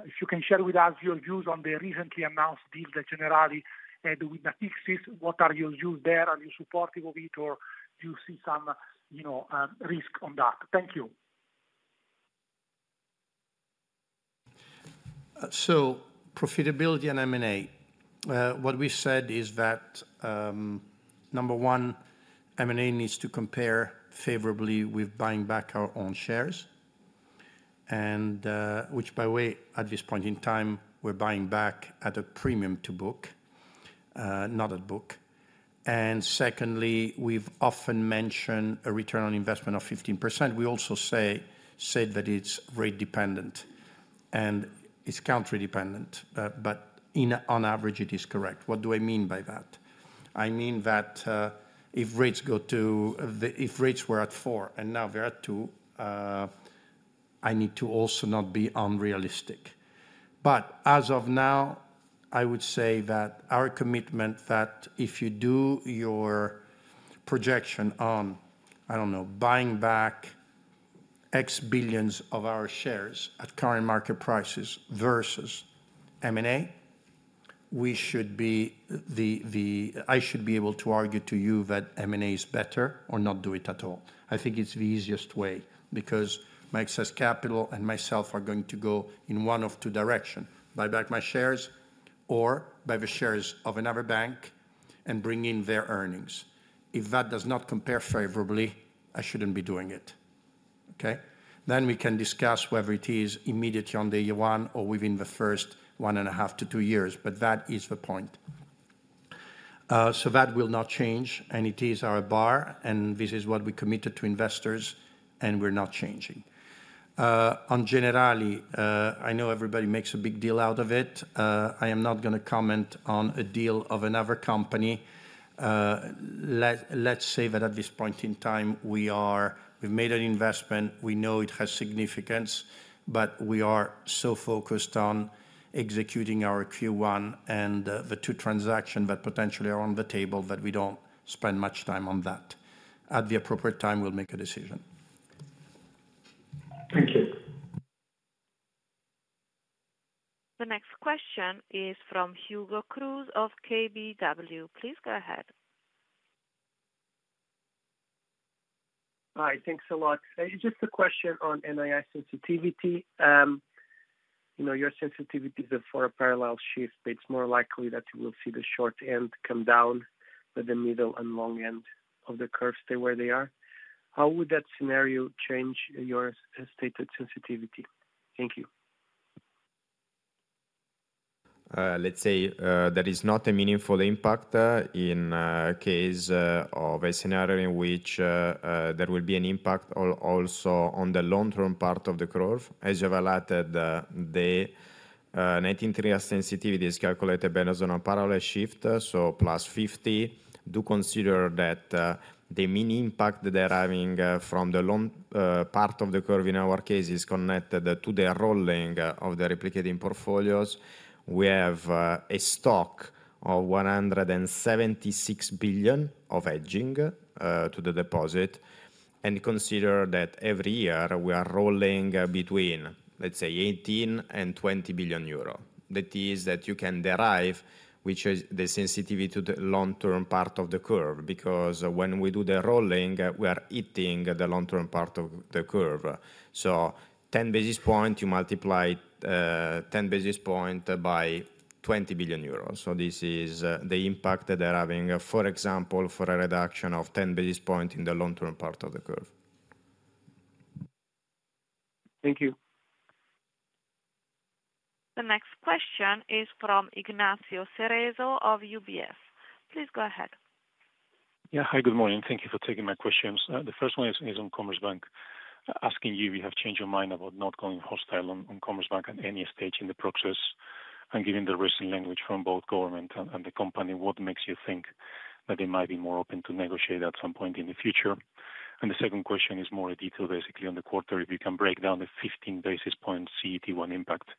if you can share with us your views on the recently announced deal that Generali had with Natixis. What are your views there? Are you supportive of it, or do you see some risk on that? Thank you. Profitability and M&A, what we said is that, number one, M&A needs to compare favorably with buying back our own shares, which, by the way, at this point in time, we're buying back at a premium to book, not at book. And secondly, we've often mentioned a return on investment of 15%. We also said that it's rate dependent and it's country dependent, but on average, it is correct. What do I mean by that? I mean that if rates were at four and now they're at two, I need to also not be unrealistic. But as of now, I would say that our commitment that if you do your projection on, I don't know, buying back X billions of our shares at current market prices versus M&A, we should be. I should be able to argue to you that M&A is better or not do it at all. I think it's the easiest way because my excess capital and myself are going to go in one of two directions: buy back my shares or buy the shares of another bank and bring in their earnings. If that does not compare favorably, I shouldn't be doing it. Okay? Then we can discuss whether it is immediately on day one or within the first one and a half to two years, but that is the point. So that will not change, and it is our bar, and this is what we committed to investors, and we're not changing. On Generali, I know everybody makes a big deal out of it. I am not going to comment on a deal of another company. Let's say that at this point in time, we've made an investment. We know it has significance, but we are so focused on executing our Q1 and the two transactions that potentially are on the table that we don't spend much time on that. At the appropriate time, we'll make a decision. Thank you. The next question is from Hugo Cruz of KBW. Please go ahead. Hi, thanks a lot. Just a question on NII sensitivity. Your sensitivity is a for a parallel shift. It's more likely that you will see the short end come down, but the middle and long end of the curve stay where they are. How would that scenario change your stated sensitivity? Thank you. Let's say there is not a meaningful impact in the case of a scenario in which there will be an impact also on the long-term part of the curve. As you've noted, the NII sensitivity is calculated based on a parallel shift, so plus 50. Do consider that the main impact that we're having from the long part of the curve in our case is connected to the rolling of the replicating portfolios. We have a stock of 176 billion of hedging to the deposit. And consider that every year we are rolling between, let's say, 18 billion and 20 billion euro. That is that you can derive, which is the sensitivity to the long-term part of the curve, because when we do the rolling, we are hitting the long-term part of the curve. So 10 basis points, you multiply 10 basis points by 20 billion euros. So this is the impact that they're having, for example, for a reduction of 10 basis points in the long-term part of the curve. Thank you. The next question is from Ignacio Cerezo of UBS. Please go ahead. Yeah, hi, good morning. Thank you for taking my questions. The first one is on Commerzbank asking you if you have changed your mind about not going hostile on Commerzbank at any stage in the process and given the recent language from both government and the company, what makes you think that they might be more open to negotiate at some point in the future? And the second question is more detailed, basically on the quarter, if you can break down the 15 basis points CET1 impact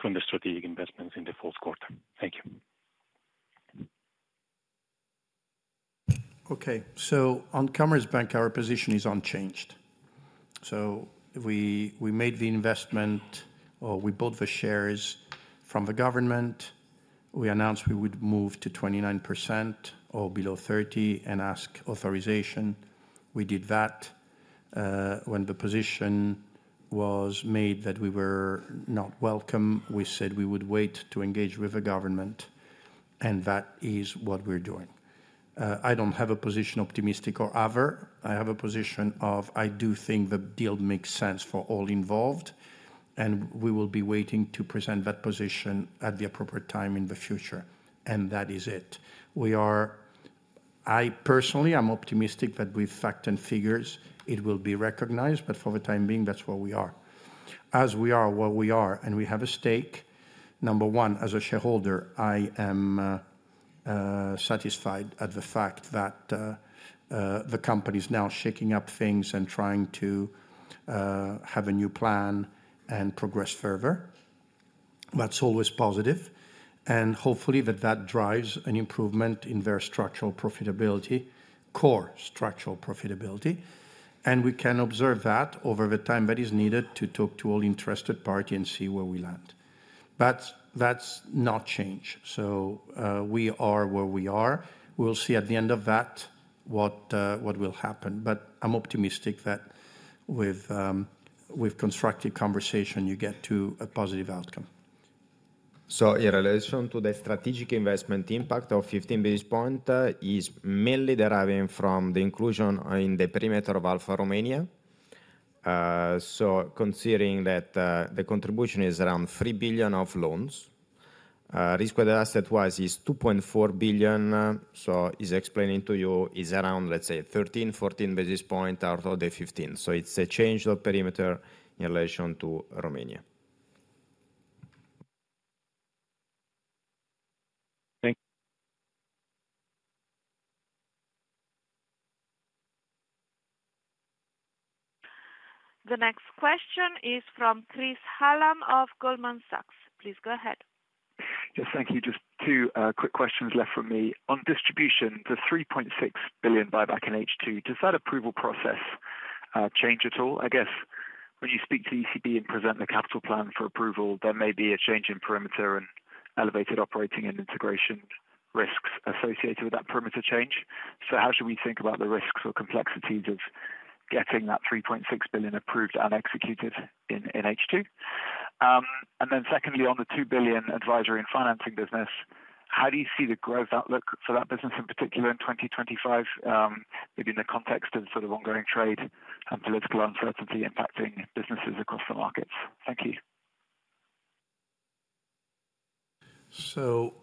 from the strategic investments in the fourth quarter. Thank you. Okay, so on Commerzbank, our position is unchanged. So we made the investment or we bought the shares from the government. We announced we would move to 29% or below 30% and ask authorization. We did that. When the position was made that we were not welcome, we said we would wait to engage with the government, and that is what we're doing. I don't have a position optimistic or ever. I have a position of I do think the deal makes sense for all involved, and we will be waiting to present that position at the appropriate time in the future. And that is it. I personally am optimistic that with fact and figures, it will be recognized, but for the time being, that's where we are. As we are where we are, and we have a stake. Number one, as a shareholder, I am satisfied at the fact that the company is now shaking up things and trying to have a new plan and progress further. That's always positive. And hopefully that that drives an improvement in their structural profitability, core structural profitability. And we can observe that over the time that is needed to talk to all interested parties and see where we land. But that's not change. So we are where we are. We'll see at the end of that what will happen. But I'm optimistic that with constructive conversation, you get to a positive outcome. So, in relation to the strategic investment impact of 15 basis points, is mainly deriving from the inclusion in the perimeter of Alpha Bank Romania. So, considering that the contribution is around 3 billion of loans, risk-weighted asset-wise is 2.4 billion. So, it's explaining to you is around, let's say, 13-14 basis points out of the 15. So, it's a change of perimeter in relation to Romania. Thank you. The next question is from Chris Hallam of Goldman Sachs. Please go ahead. Yes, thank you. Just two quick questions left from me. On distribution, the 3.6 billion buyback in H2, does that approval process change at all? I guess when you speak to ECB and present the capital plan for approval, there may be a change in perimeter and elevated operating and integration risks associated with that perimeter change. So how should we think about the risks or complexities of getting that 3.6 billion approved and executed in H2? And then secondly, on the 2 billion advisory and financing business, how do you see the growth outlook for that business in particular in 2025, maybe in the context of sort of ongoing trade and political uncertainty impacting businesses across the markets? Thank you. So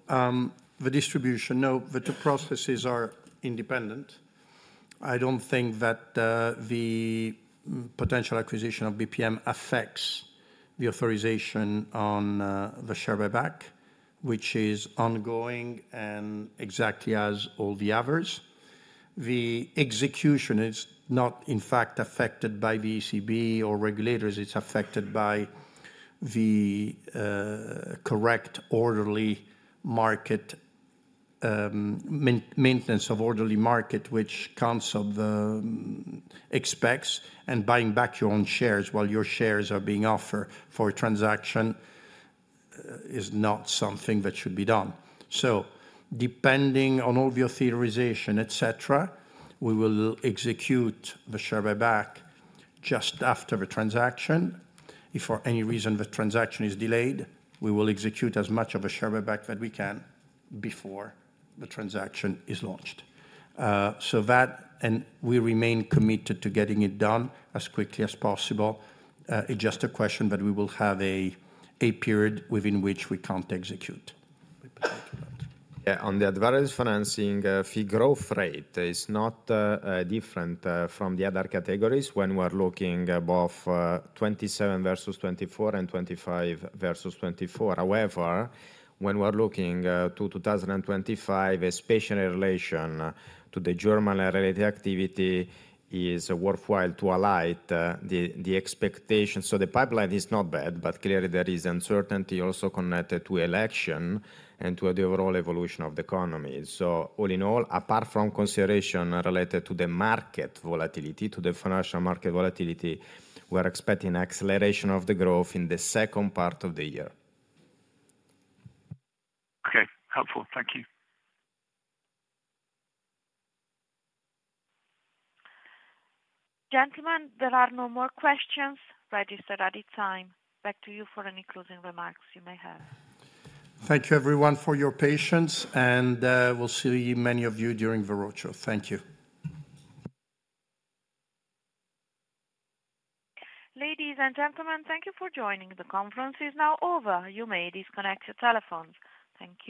the distribution, no, the two processes are independent. I don't think that the potential acquisition of BPM affects the authorization on the share buyback, which is ongoing and exactly as all the others. The execution is not, in fact, affected by the ECB or regulators. It's affected by the correct orderly market maintenance of orderly market, which the ECB expects. And buying back your own shares while your shares are being offered for a transaction is not something that should be done. Depending on all of your authorization, etc., we will execute the share buyback just after the transaction. If for any reason the transaction is delayed, we will execute as much of a share buyback that we can before the transaction is launched. That, and we remain committed to getting it done as quickly as possible. It's just a question that we will have a period within which we can't execute. Yeah, on the advisory financing, fee growth rate is not different from the other categories when we're looking at 2027 versus 2024 and 2025 versus 2024. However, when we're looking to 2025, especially in relation to the German regulatory activity, it is worthwhile to align the expectations. The pipeline is not bad, but clearly there is uncertainty also connected to elections and to the overall evolution of the economy. So all in all, apart from consideration related to the market volatility, to the financial market volatility, we're expecting acceleration of the growth in the second part of the year. Okay, helpful. Thank you. Gentlemen, there are no more questions at this time. Back to you for any closing remarks you may have. Thank you, everyone, for your patience, and we'll see many of you during the roadshow. Thank you. Ladies and gentlemen, thank you for joining. The conference is now over. You may disconnect your telephones. Thank you.